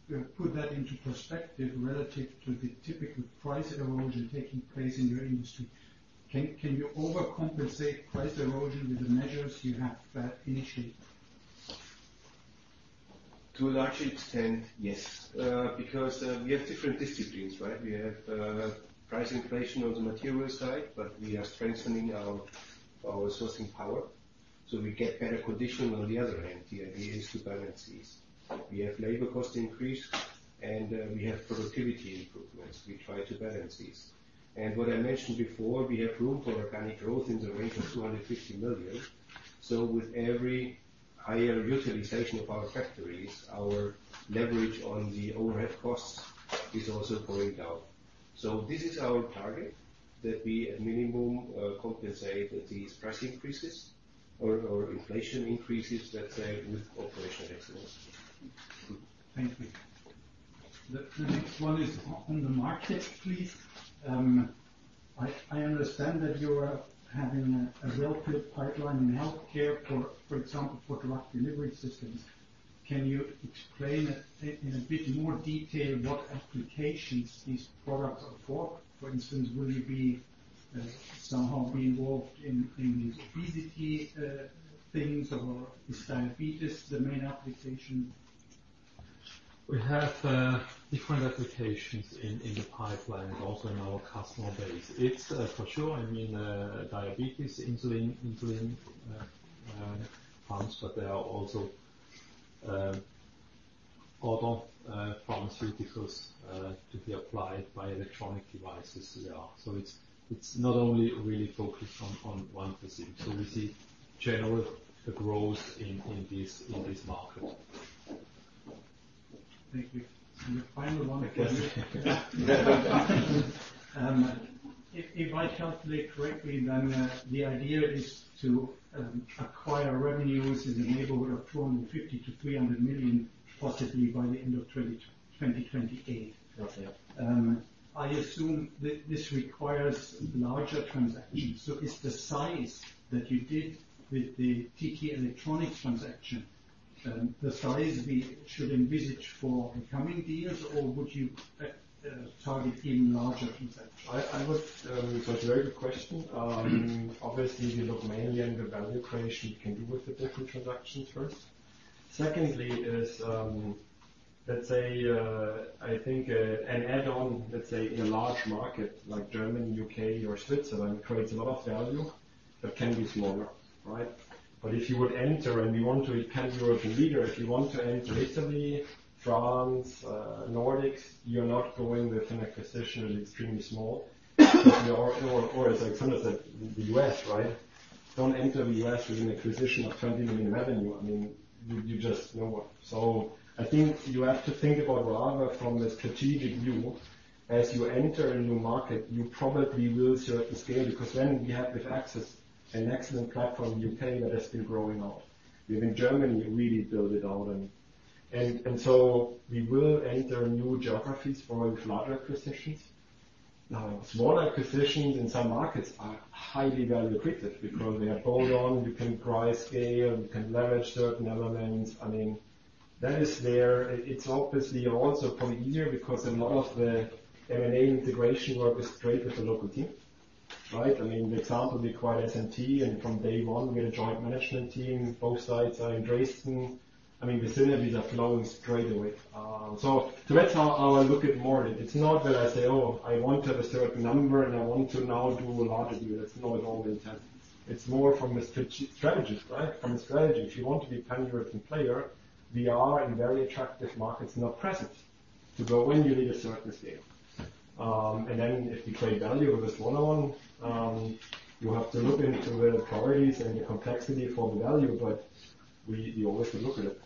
I: to put that into perspective relative to the typical price erosion taking place in your industry? Can you overcompensate price erosion with the measures you have initiated?
C: To a large extent, yes. Because we have different disciplines, right? We have price inflation on the material side, but we are strengthening our sourcing power. So we get better condition on the other end. The idea is to balance these. We have labor cost increase and we have productivity improvements. We try to balance these. What I mentioned before, we have room for organic growth in the range of 250 million. So with every higher utilization of our factories, our leverage on the overhead costs is also going down. So this is our target, that we at minimum compensate these price increases or inflation increases, let's say, with operational excellence.
I: Thank you. The next one is on the market, please. I understand that you are having a well-built pipeline in healthcare for example for drug delivery systems. Can you explain it in a bit more detail what applications these products are for? For instance, will you somehow be involved in these obesity things or is diabetes the main application?
C: We have different applications in the pipeline and also in our customer base. It's for sure. I mean, diabetes, insulin pumps, but there are also other pharmaceuticals to be applied by electronic devices, yeah. So it's not only really focused on one specific. So we see general growth in this market.
I: Thank you. The final one for you. If I calculate correctly, then the idea is to acquire revenues in the neighborhood of 250 million-300 million, possibly by the end of 2028. I assume that this requires larger transactions. So is the size that you did with the TT Electronics transaction, the size we should envisage for the coming deals, or would you target even larger transactions?
A: I would. It's a very good question. Obviously, we look mainly at the value creation we can do with the different transactions first. Secondly is, let's say, I think, an add-on, let's say, in a large market like Germany, U.K., or Switzerland creates a lot of value, but can be smaller, right? But if you would enter and you want to become European leader, if you want to enter Italy, France, Nordics, you're not going with an acquisition that's extremely small. Or, as Alexander said, the U.S., right? Don't enter the U.S. with an acquisition of 20 million revenue. I mean, you just know what. So I think you have to think about rather from a strategic view, as you enter a new market, you probably will certainly scale because then we have with Axis an excellent platform in the U.K. that has been growing out. We have in Germany really built it out. And so we will enter new geographies for larger acquisitions. Now, smaller acquisitions in some markets are highly value-created because they are bolt-on. You can price scale, you can leverage certain elements. I mean, that is there. It's obviously also probably easier because a lot of the M&A integration work is straight with the local team, right? I mean, the example we acquired SMT, and from day one we had a joint management team. Both sides are in Dresden. I mean, the synergies are flowing straight away. So that's how I look at more of it. It's not that I say, "Oh, I want to have a certain number and I want to now do a larger deal." It's not normally intended. It's more from a strategy, right? From a strategy. If you want to become a European player, we are in very attractive markets not present. So when you need a certain scale, and then if we create value with a smaller one, you have to look into the priorities and the complexity for the value, but we, we always look at it.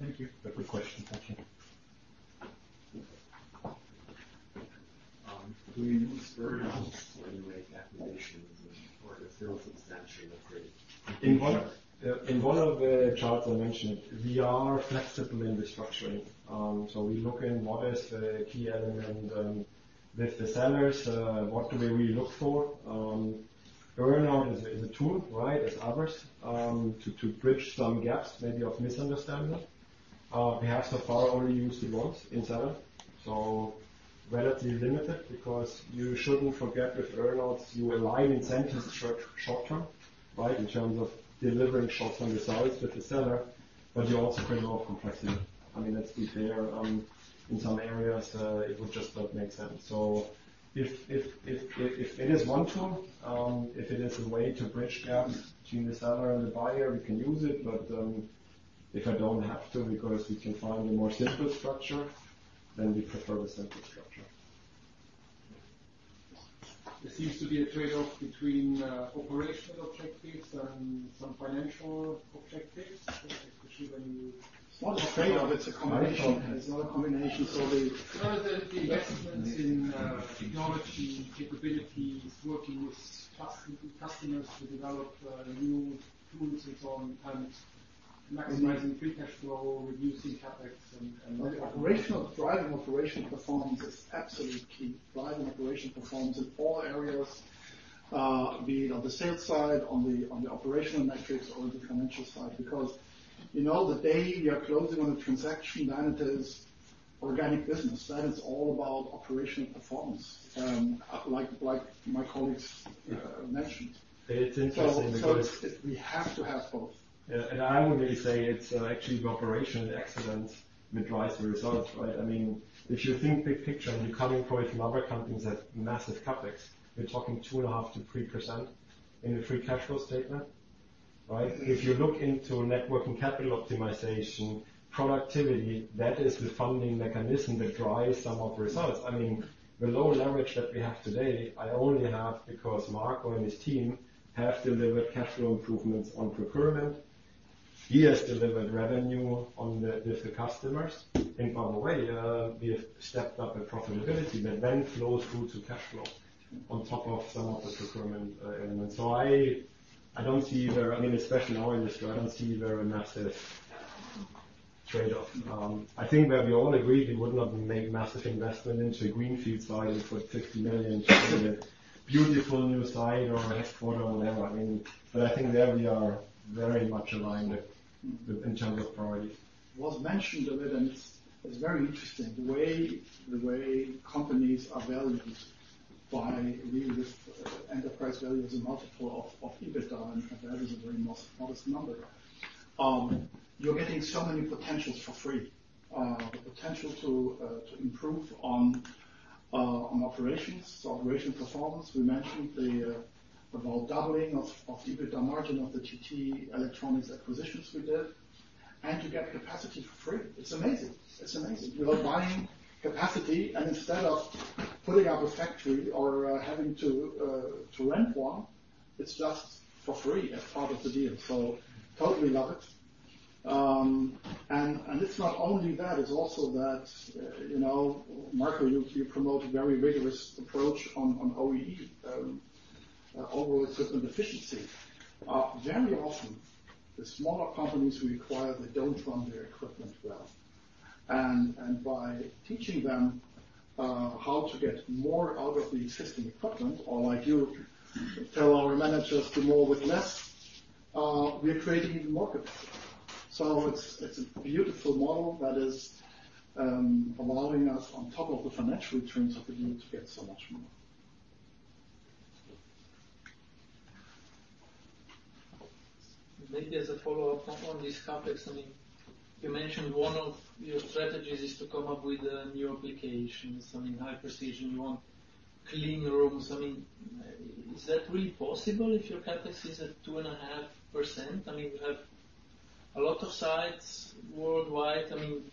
I: Thank you. That's a good question. Thank you.
J: Do you use firms when you make acquisitions or if they're substantially created?
A: In one of the charts I mentioned, we are flexible in restructuring, so we look at what is the key element with the sellers, what do we really look for. Earnout is a tool, right, as others, to bridge some gaps maybe of misunderstanding. We have so far only used it once in seller, so relatively limited because you shouldn't forget with earnouts, you align incentives short term, right, in terms of delivering short-term results with the seller, but you also create a lot of complexity. I mean, let's be fair, in some areas, it would just not make sense, so if it is one tool, if it is a way to bridge gaps between the seller and the buyer, we can use it. But if I don't have to because we can find a more simple structure, then we prefer the simple structure. It seems to be a trade-off between operational objectives and some financial objectives, especially when you, well, it's a trade-off. It's a combination. It's not a combination so the investments in technology capabilities, working with customers to develop new tools and so on, and maximizing free cash flow, reducing CapEx, and operational driving operational performance is absolutely key. Driving operational performance in all areas, be it on the sales side, on the operational metrics, or the financial side. Because you know, the day you are closing on a transaction, then it is organic business. Then it's all about operational performance, like my colleagues mentioned. It's interesting so it's, it's, we have to have both.
D: Yeah. I would really say it's actually the operational excellence that drives the results, right? I mean, if you think big picture, and you're coming from some other companies that have massive CapEx, you're talking 2.5%-3% in the free cash flow statement, right? If you look into net working capital optimization, productivity, that is the funding mechanism that drives some of the results. I mean, the low leverage that we have today, I only have because Marco and his team have delivered cash flow improvements on procurement. He has delivered revenue on the, with the customers. And by the way, we have stepped up the profitability that then flows through to cash flow on top of some of the procurement elements. So I don't see where. I mean, especially now in this year, I don't see where a massive trade-off. I think where we all agree, we would not make massive investment into a greenfield site and put 50 million to a beautiful new site or a headquarters or whatever. I mean, but I think there we are very much aligned with in terms of priorities.
A: It was mentioned a bit, and it's very interesting. The way companies are valued, really, with enterprise values and multiples of EBITDA and that is a very modest number. You're getting so many potentials for free. The potential to improve on operations, so operational performance, we mentioned about doubling of EBITDA margin of the TT Electronics acquisitions we did, and to get capacity for free. It's amazing. It's amazing. We are buying capacity, and instead of putting up a factory or having to rent one, it's just for free as part of the deal. So totally love it. And it's not only that. It's also that, you know, Marco. You promote a very rigorous approach on OEE, overall equipment effectiveness. Very often, the smaller companies we acquire, they don't run their equipment well. And by teaching them how to get more out of the existing equipment, or like you tell our managers to move with less, we are creating even more capacity. It's a beautiful model that is allowing us on top of the financial returns of the deal to get so much more.
J: Maybe as a follow-up on these CapEx, I mean, you mentioned one of your strategies is to come up with a new application. So, I mean, high precision. You want clean rooms. I mean, is that really possible if your CapEx is at 2.5%? I mean, you have a lot of sites worldwide. I mean,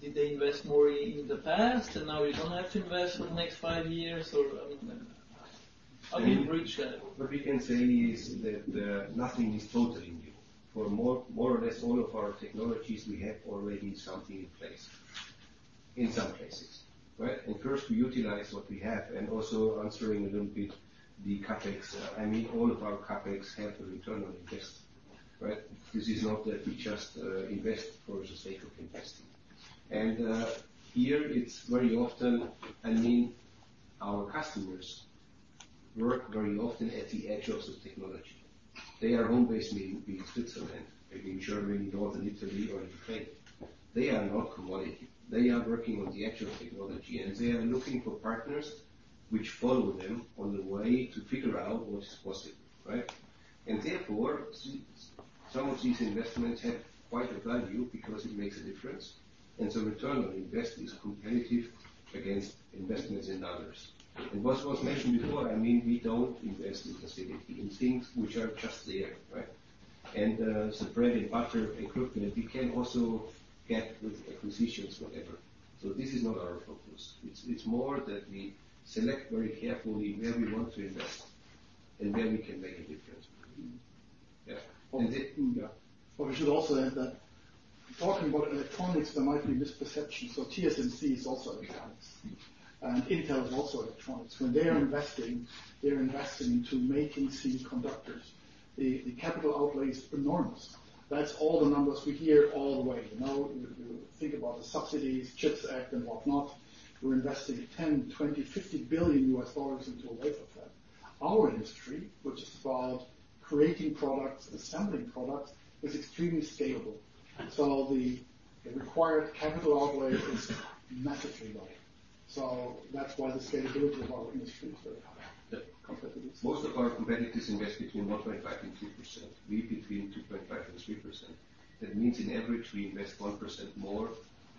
J: did they invest more in the past, and now you don't have to invest for the next five years or, I mean, how do you reach that?
D: What we can say is that nothing is totally new. For more or less all of our technologies, we have already something in place in some cases, right? And first, we utilize what we have. And also answering a little bit the CapEx, I mean, all of our CapEx have a return on investment, right? This is not that we just invest for the sake of investing. And here it's very often, I mean, our customers work very often at the edge of the technology. They are home-based maybe in Switzerland, maybe in Germany, Northern Italy, or in Spain. They are not commodity. They are working on the edge of technology, and they are looking for partners which follow them on the way to figure out what is possible, right? And therefore, some of these investments have quite a value because it makes a difference. And so return on investment is competitive against investments in others. And what was mentioned before, I mean, we don't invest in facilities, in things which are just there, right? And spare and buffer equipment, we can also get with acquisitions, whatever. So this is not our focus. It's more that we select very carefully where we want to invest and where we can make a difference.
A: Yeah. Yeah. Well, we should also add that talking about electronics, there might be misperceptions. So TSMC is also electronics, and Intel is also electronics. When they are investing, they're investing into making semiconductors. The capital outlay is enormous. That's all the numbers we hear all the way. You know, if you think about the subsidies, CHIPS Act and whatnot, we're investing $10 billion, $20 billion, $50 billion into a wave of that. Our industry, which is about creating products, assembling products, is extremely scalable. So the required capital outlay is massively low. So that's why the scalability of our industry is very high.
D: Yeah. Competitive.
A: Most of our competitors invest between 1.5%-2%. We between 2.5%-3%. That means in average, we invest 1% more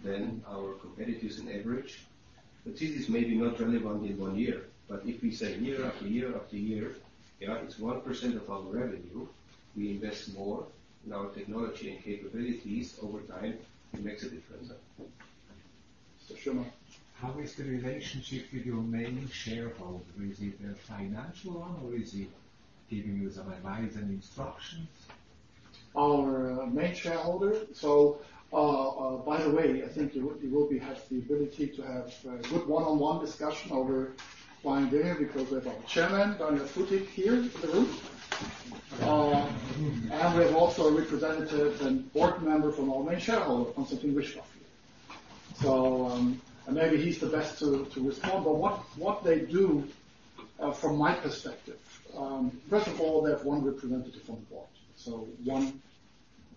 A: than our competitors in average. But this is maybe not relevant in one year. But if we say year after year after year, yeah, it's 1% of our revenue, we invest more in our technology and capabilities over time, it makes a difference.
K: Mr. Neumann, how is the relationship with your main shareholder? Is it a financial one, or is it giving you some advice and instructions?
D: Our main shareholder. So, by the way, I think you will have the ability to have a good one-on-one discussion over Friday because we have our chairman down at the front here in the room. And we have also a representative and board member from our main shareholder, Konstantin Ryzhkov. So, and maybe he's the best to respond. But what they do, from my perspective, first of all, they have one representative on the board. So one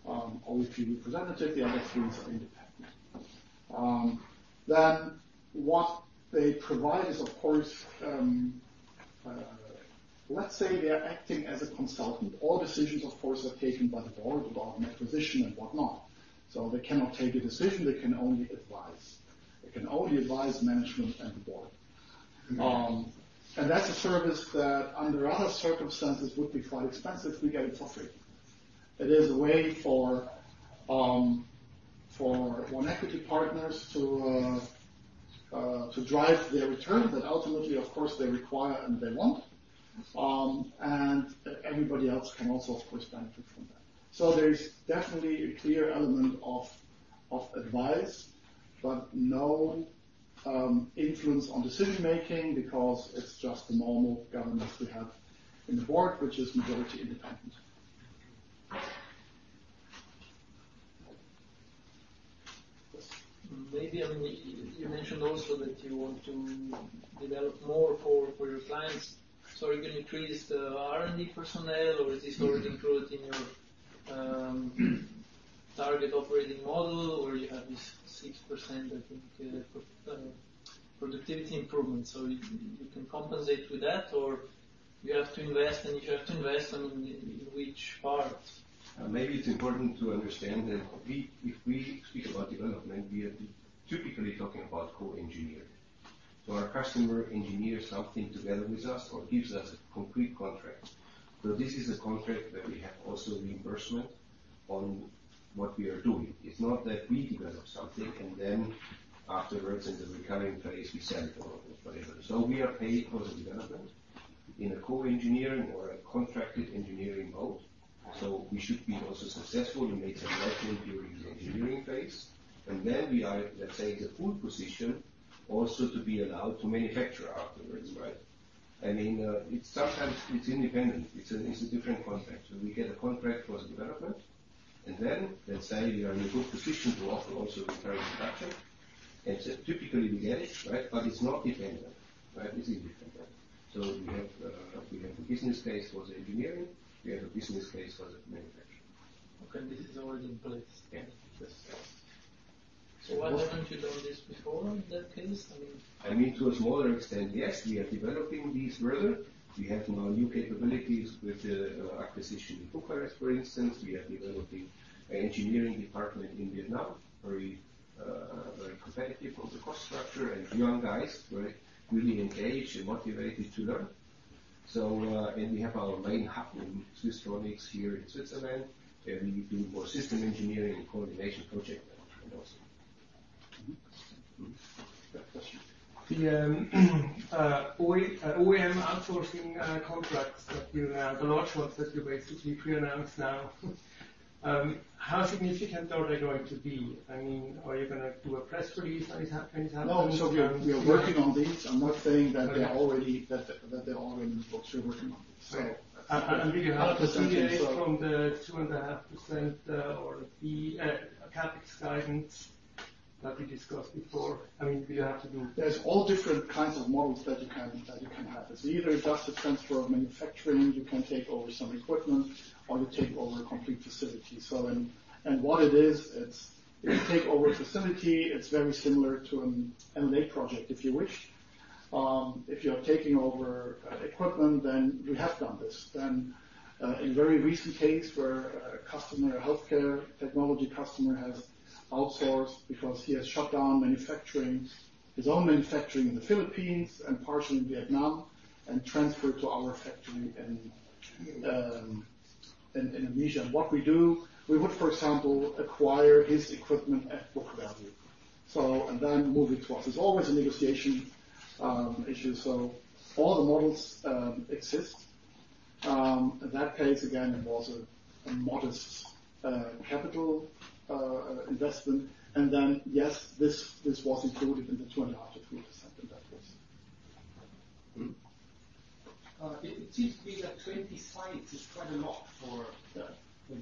D: OEP representative, the other three are independent. Then what they provide is, of course, let's say they are acting as a consultant. All decisions, of course, are taken by the board about an acquisition and whatnot. So they cannot take a decision. They can only advise. They can only advise management and the board. And that's a service that under other circumstances would be quite expensive. We get it for free. It is a way for One Equity Partners to drive their return that ultimately, of course, they require and they want. And everybody else can also, of course, benefit from that. So there's definitely a clear element of advice, but no influence on decision-making because it's just the normal governance we have in the board, which is majority independent.
K: Maybe, I mean, you mentioned also that you want to develop more for your clients. So are you going to increase R&D personnel, or is this already included in your target operating model, or you have this 6%, I think, productivity improvement? So you can compensate with that, or you have to invest, and if you have to invest, I mean, in which part?
A: Maybe it's important to understand that we, if we speak about development, we are typically talking about co-engineering. So our customer engineers something together with us or gives us a concrete contract. So this is a contract where we have also reimbursement on what we are doing. It's not that we develop something, and then afterwards, in the recurring phase, we sell it or whatever. So we are paid for the development in a co-engineering or a contracted engineering mode. So we should be also successful in making revenue during the engineering phase. And then we are, let's say, in the full position also to be allowed to manufacture afterwards, right? I mean, it's sometimes independent. It's a different contract. So we get a contract for the development, and then, let's say, we are in a good position to offer also recurring production. And typically, we get it, right? But it's not dependent, right? It is dependent. So we have a business case for the engineering. We have a business case for the manufacturing.
K: Okay. This is already in place. Yeah. Yes. So why don't you do this before in that case?
A: I mean, I mean, to a smaller extent, yes. We are developing these further. We have now new capabilities with the acquisition in Bucharest, for instance. We are developing an engineering department in Vietnam, very, very competitive on the cost structure. Young guys, right, really engaged and motivated to learn. So, and we have our main hub in Swisstronics here in Switzerland, and we do more system engineering and coordination projects and also.
K: The OEM outsourcing contracts that you announced, the large ones that you basically pre-announced now, how significant are they going to be? I mean, are you going to do a press release when it happens?
A: No. So we are working on this. I'm not saying that they're already in the books. We're working on this. So I'm really happy to see from the 2.5%, or the CapEx guidance that we discussed before. I mean, we have to do. There's all different kinds of models that you can have. It's either just a transfer of manufacturing. You can take over some equipment, or you take over a complete facility. So what it is, it's if you take over a facility, it's very similar to an M&A project, if you wish. If you are taking over equipment, then we have done this. Then, in a very recent case where a customer, a healthcare technology customer, has outsourced because he has shut down manufacturing, his own manufacturing in the Philippines and partially in Vietnam, and transferred to our factory in Indonesia. And what we do, we would, for example, acquire his equipment at book value. So and then move it to us. It's always a negotiation issue. So all the models exist. In that case, again, it was a modest capital investment. And then, yes, this was included in the 2.5%-3% in that case. It seems to be that 20 sites is quite a lot for the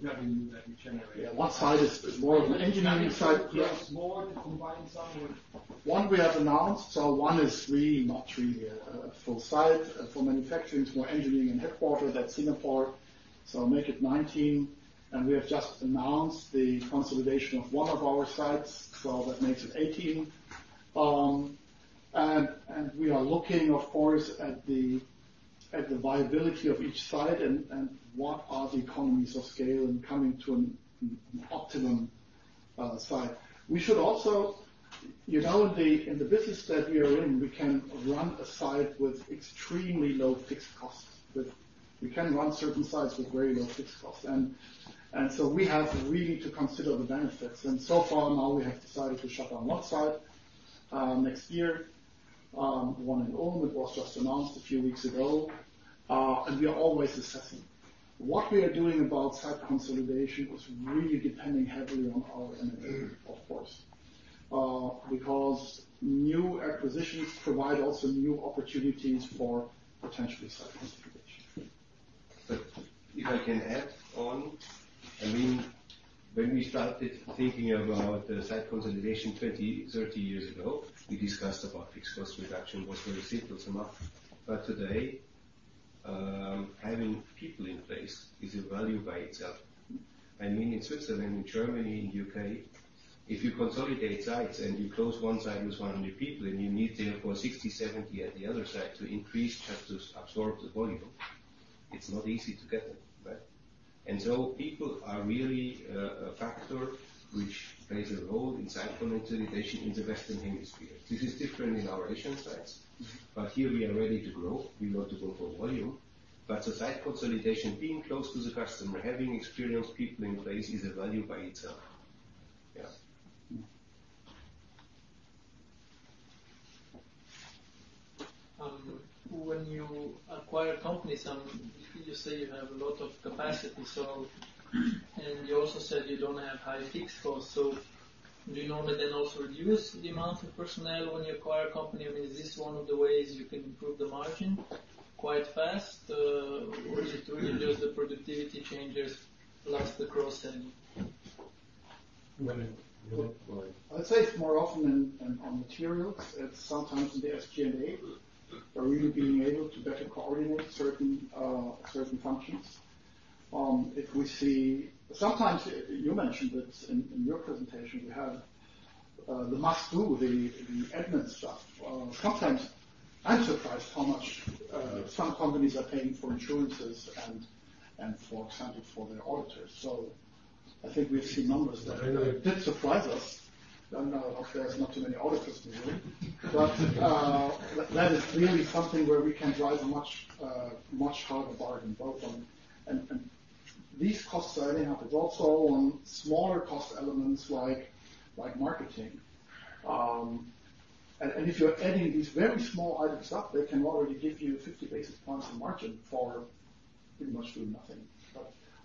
A: revenue that you generate. Yeah. One site is more of an engineering site. Yeah. It's more to combine some with one we have announced. So one is really not a full site. For manufacturing, it's more engineering and headquarters. That's Singapore. So make it 19. And we have just announced the consolidation of one of our sites. So that makes it 18. And we are looking, of course, at the viability of each site and what are the economies of scale in coming to an optimum site. We should also, you know, in the business that we are in, we can run a site with extremely low fixed costs. We can run certain sites with very low fixed costs. And so we have really to consider the benefits. And so far now, we have decided to shut down one site, next year, one in Ulm. It was just announced a few weeks ago. And we are always assessing. What we are doing about site consolidation is really depending heavily on our M&A, of course, because new acquisitions provide also new opportunities for potentially site consolidation.
D: If I can add on, I mean, when we started thinking about site consolidation 20, 30 years ago, we discussed about fixed cost reduction, what were the signals and what. Today, having people in place is a value by itself. I mean, in Switzerland, in Germany, in the U.K., if you consolidate sites and you close one site with 100 people, and you need therefore 60, 70 at the other side to increase just to absorb the volume, it's not easy to get them, right? So people are really a factor which plays a role in site consolidation in the Western Hemisphere. This is different in our Asian sites. Here we are ready to grow. We want to go for volume. But the site consolidation, being close to the customer, having experienced people in place is a value by itself. Yeah.
L: When you acquire companies, you say you have a lot of capacity. So, and you also said you don't have high fixed costs. So do you normally then also reduce the amount of personnel when you acquire a company? I mean, is this one of the ways you can improve the margin quite fast? Or is it really just the productivity changes plus the cross-selling?
C: I would say it's more often than on materials. It's sometimes in the SG&A or really being able to better coordinate certain functions. If we see, sometimes you mentioned that in your presentation, we have the must-do, the admin stuff. Sometimes I'm surprised how much some companies are paying for insurances and, and for example, for their auditors. So I think we've seen numbers that did surprise us. I don't know if there's not too many auditors in the room. But that is really something where we can drive a much, much harder bargain both on. And these costs are adding up. It's also on smaller cost elements like, like marketing. And if you're adding these very small items up, they can already give you 50 basis points of margin for pretty much doing nothing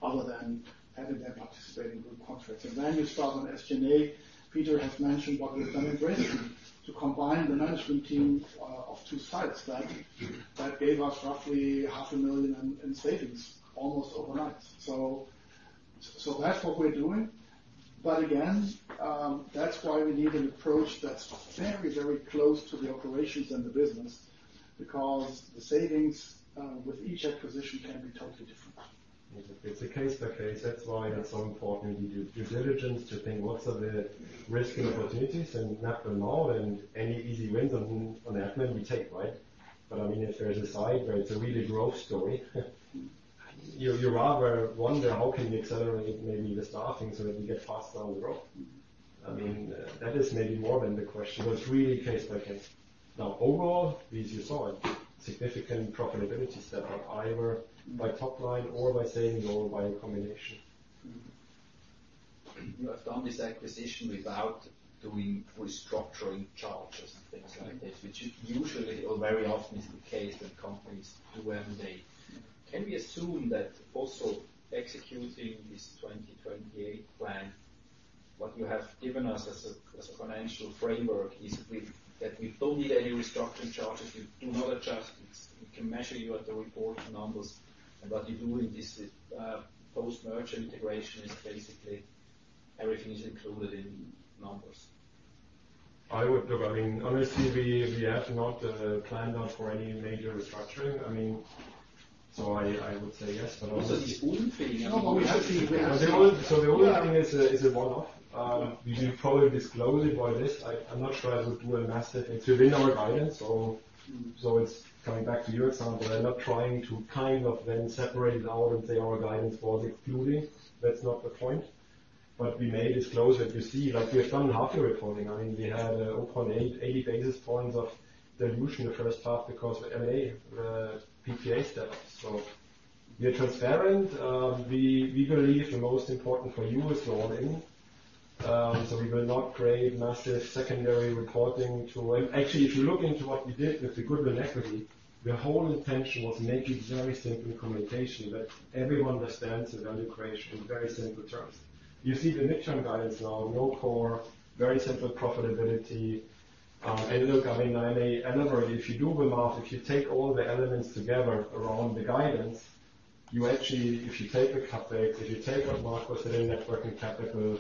C: other than having them participate in group contracts. And then you start on SG&A. Peter has mentioned what we've done in Great Britain to combine the management team of two sites that gave us roughly 500,000 in savings almost overnight. So that's what we're doing. But again, that's why we need an approach that's very, very close to the operations and the business because the savings, with each acquisition can be totally different.
D: It's a case by case. That's why that's so important to do due diligence, to think what's the risk and opportunities. And not to know any easy wins on admin we take, right? But I mean, if there's a site where it's a really growth story, you rather wonder how can we accelerate maybe the staffing so that we get faster on the growth. I mean, that is maybe more than the question, but it's really case by case. Now, overall, these you saw significant profitability step up either by top line or by saving or by a combination.
L: You have done this acquisition without doing restructuring charges and things like this, which usually, or very often, is the case when companies do M&A. Can we assume that also executing this 2028 plan, what you have given us as a financial framework is that we don't need any restructuring charges? You do not adjust. We can measure you at the reported numbers. And what you do in this, post-merger integration is basically everything is included in numbers.
C: I would look, I mean, honestly, we have not planned out for any major restructuring. I mean, so I would say yes. But also this is the only thing. I mean, we have to see what happens. So the only thing is a one-off. We will probably disclose it by this. I'm not sure I would do a massive exit in our guidance. So, it's coming back to your example. I'm not trying to kind of then separate it out and say our guidance was excluding. That's not the point. But we may disclose it. You see, like we have done half the reporting. I mean, we had upon 80 basis points of dilution the first half because of M&A, PPA step ups. So we are transparent. We believe the most important for you is to all in. So we will not create massive secondary reporting to actually, if you look into what we did with the One Equity, the whole intention was to make it very simple communication that everyone understands the value creation in very simple terms. You see the midterm guidance now, no core, very simple profitability. And look, I mean, I may elaborate. If you do the math, if you take all the elements together around the guidance, you actually, if you take the CapEx, if you take what Marco said in net working capital,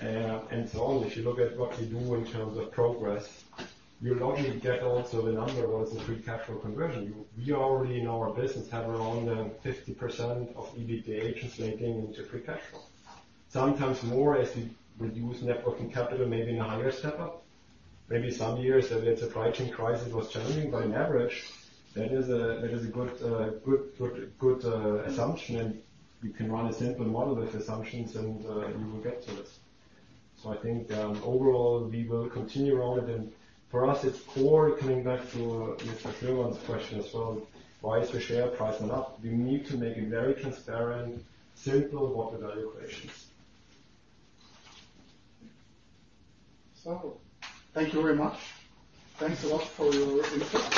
C: and so on, if you look at what we do in terms of progress, you'll not only get also the number, what is the free cash flow conversion. We already in our business have around 50% of EBITDA translating into free cash flow. Sometimes more as we reduce net working capital, maybe in a higher step up. Maybe some years that the supply chain crisis was challenging, but on average, that is a good assumption. And you can run a simple model with assumptions, and you will get to this. So I think, overall, we will continue around it. And for us, it's core coming back Mr. Neumann's question as well. Why is the share price not up? We need to make it very transparent, simple what the value equation is.
A: So thank you very much. Thanks a lot for your input.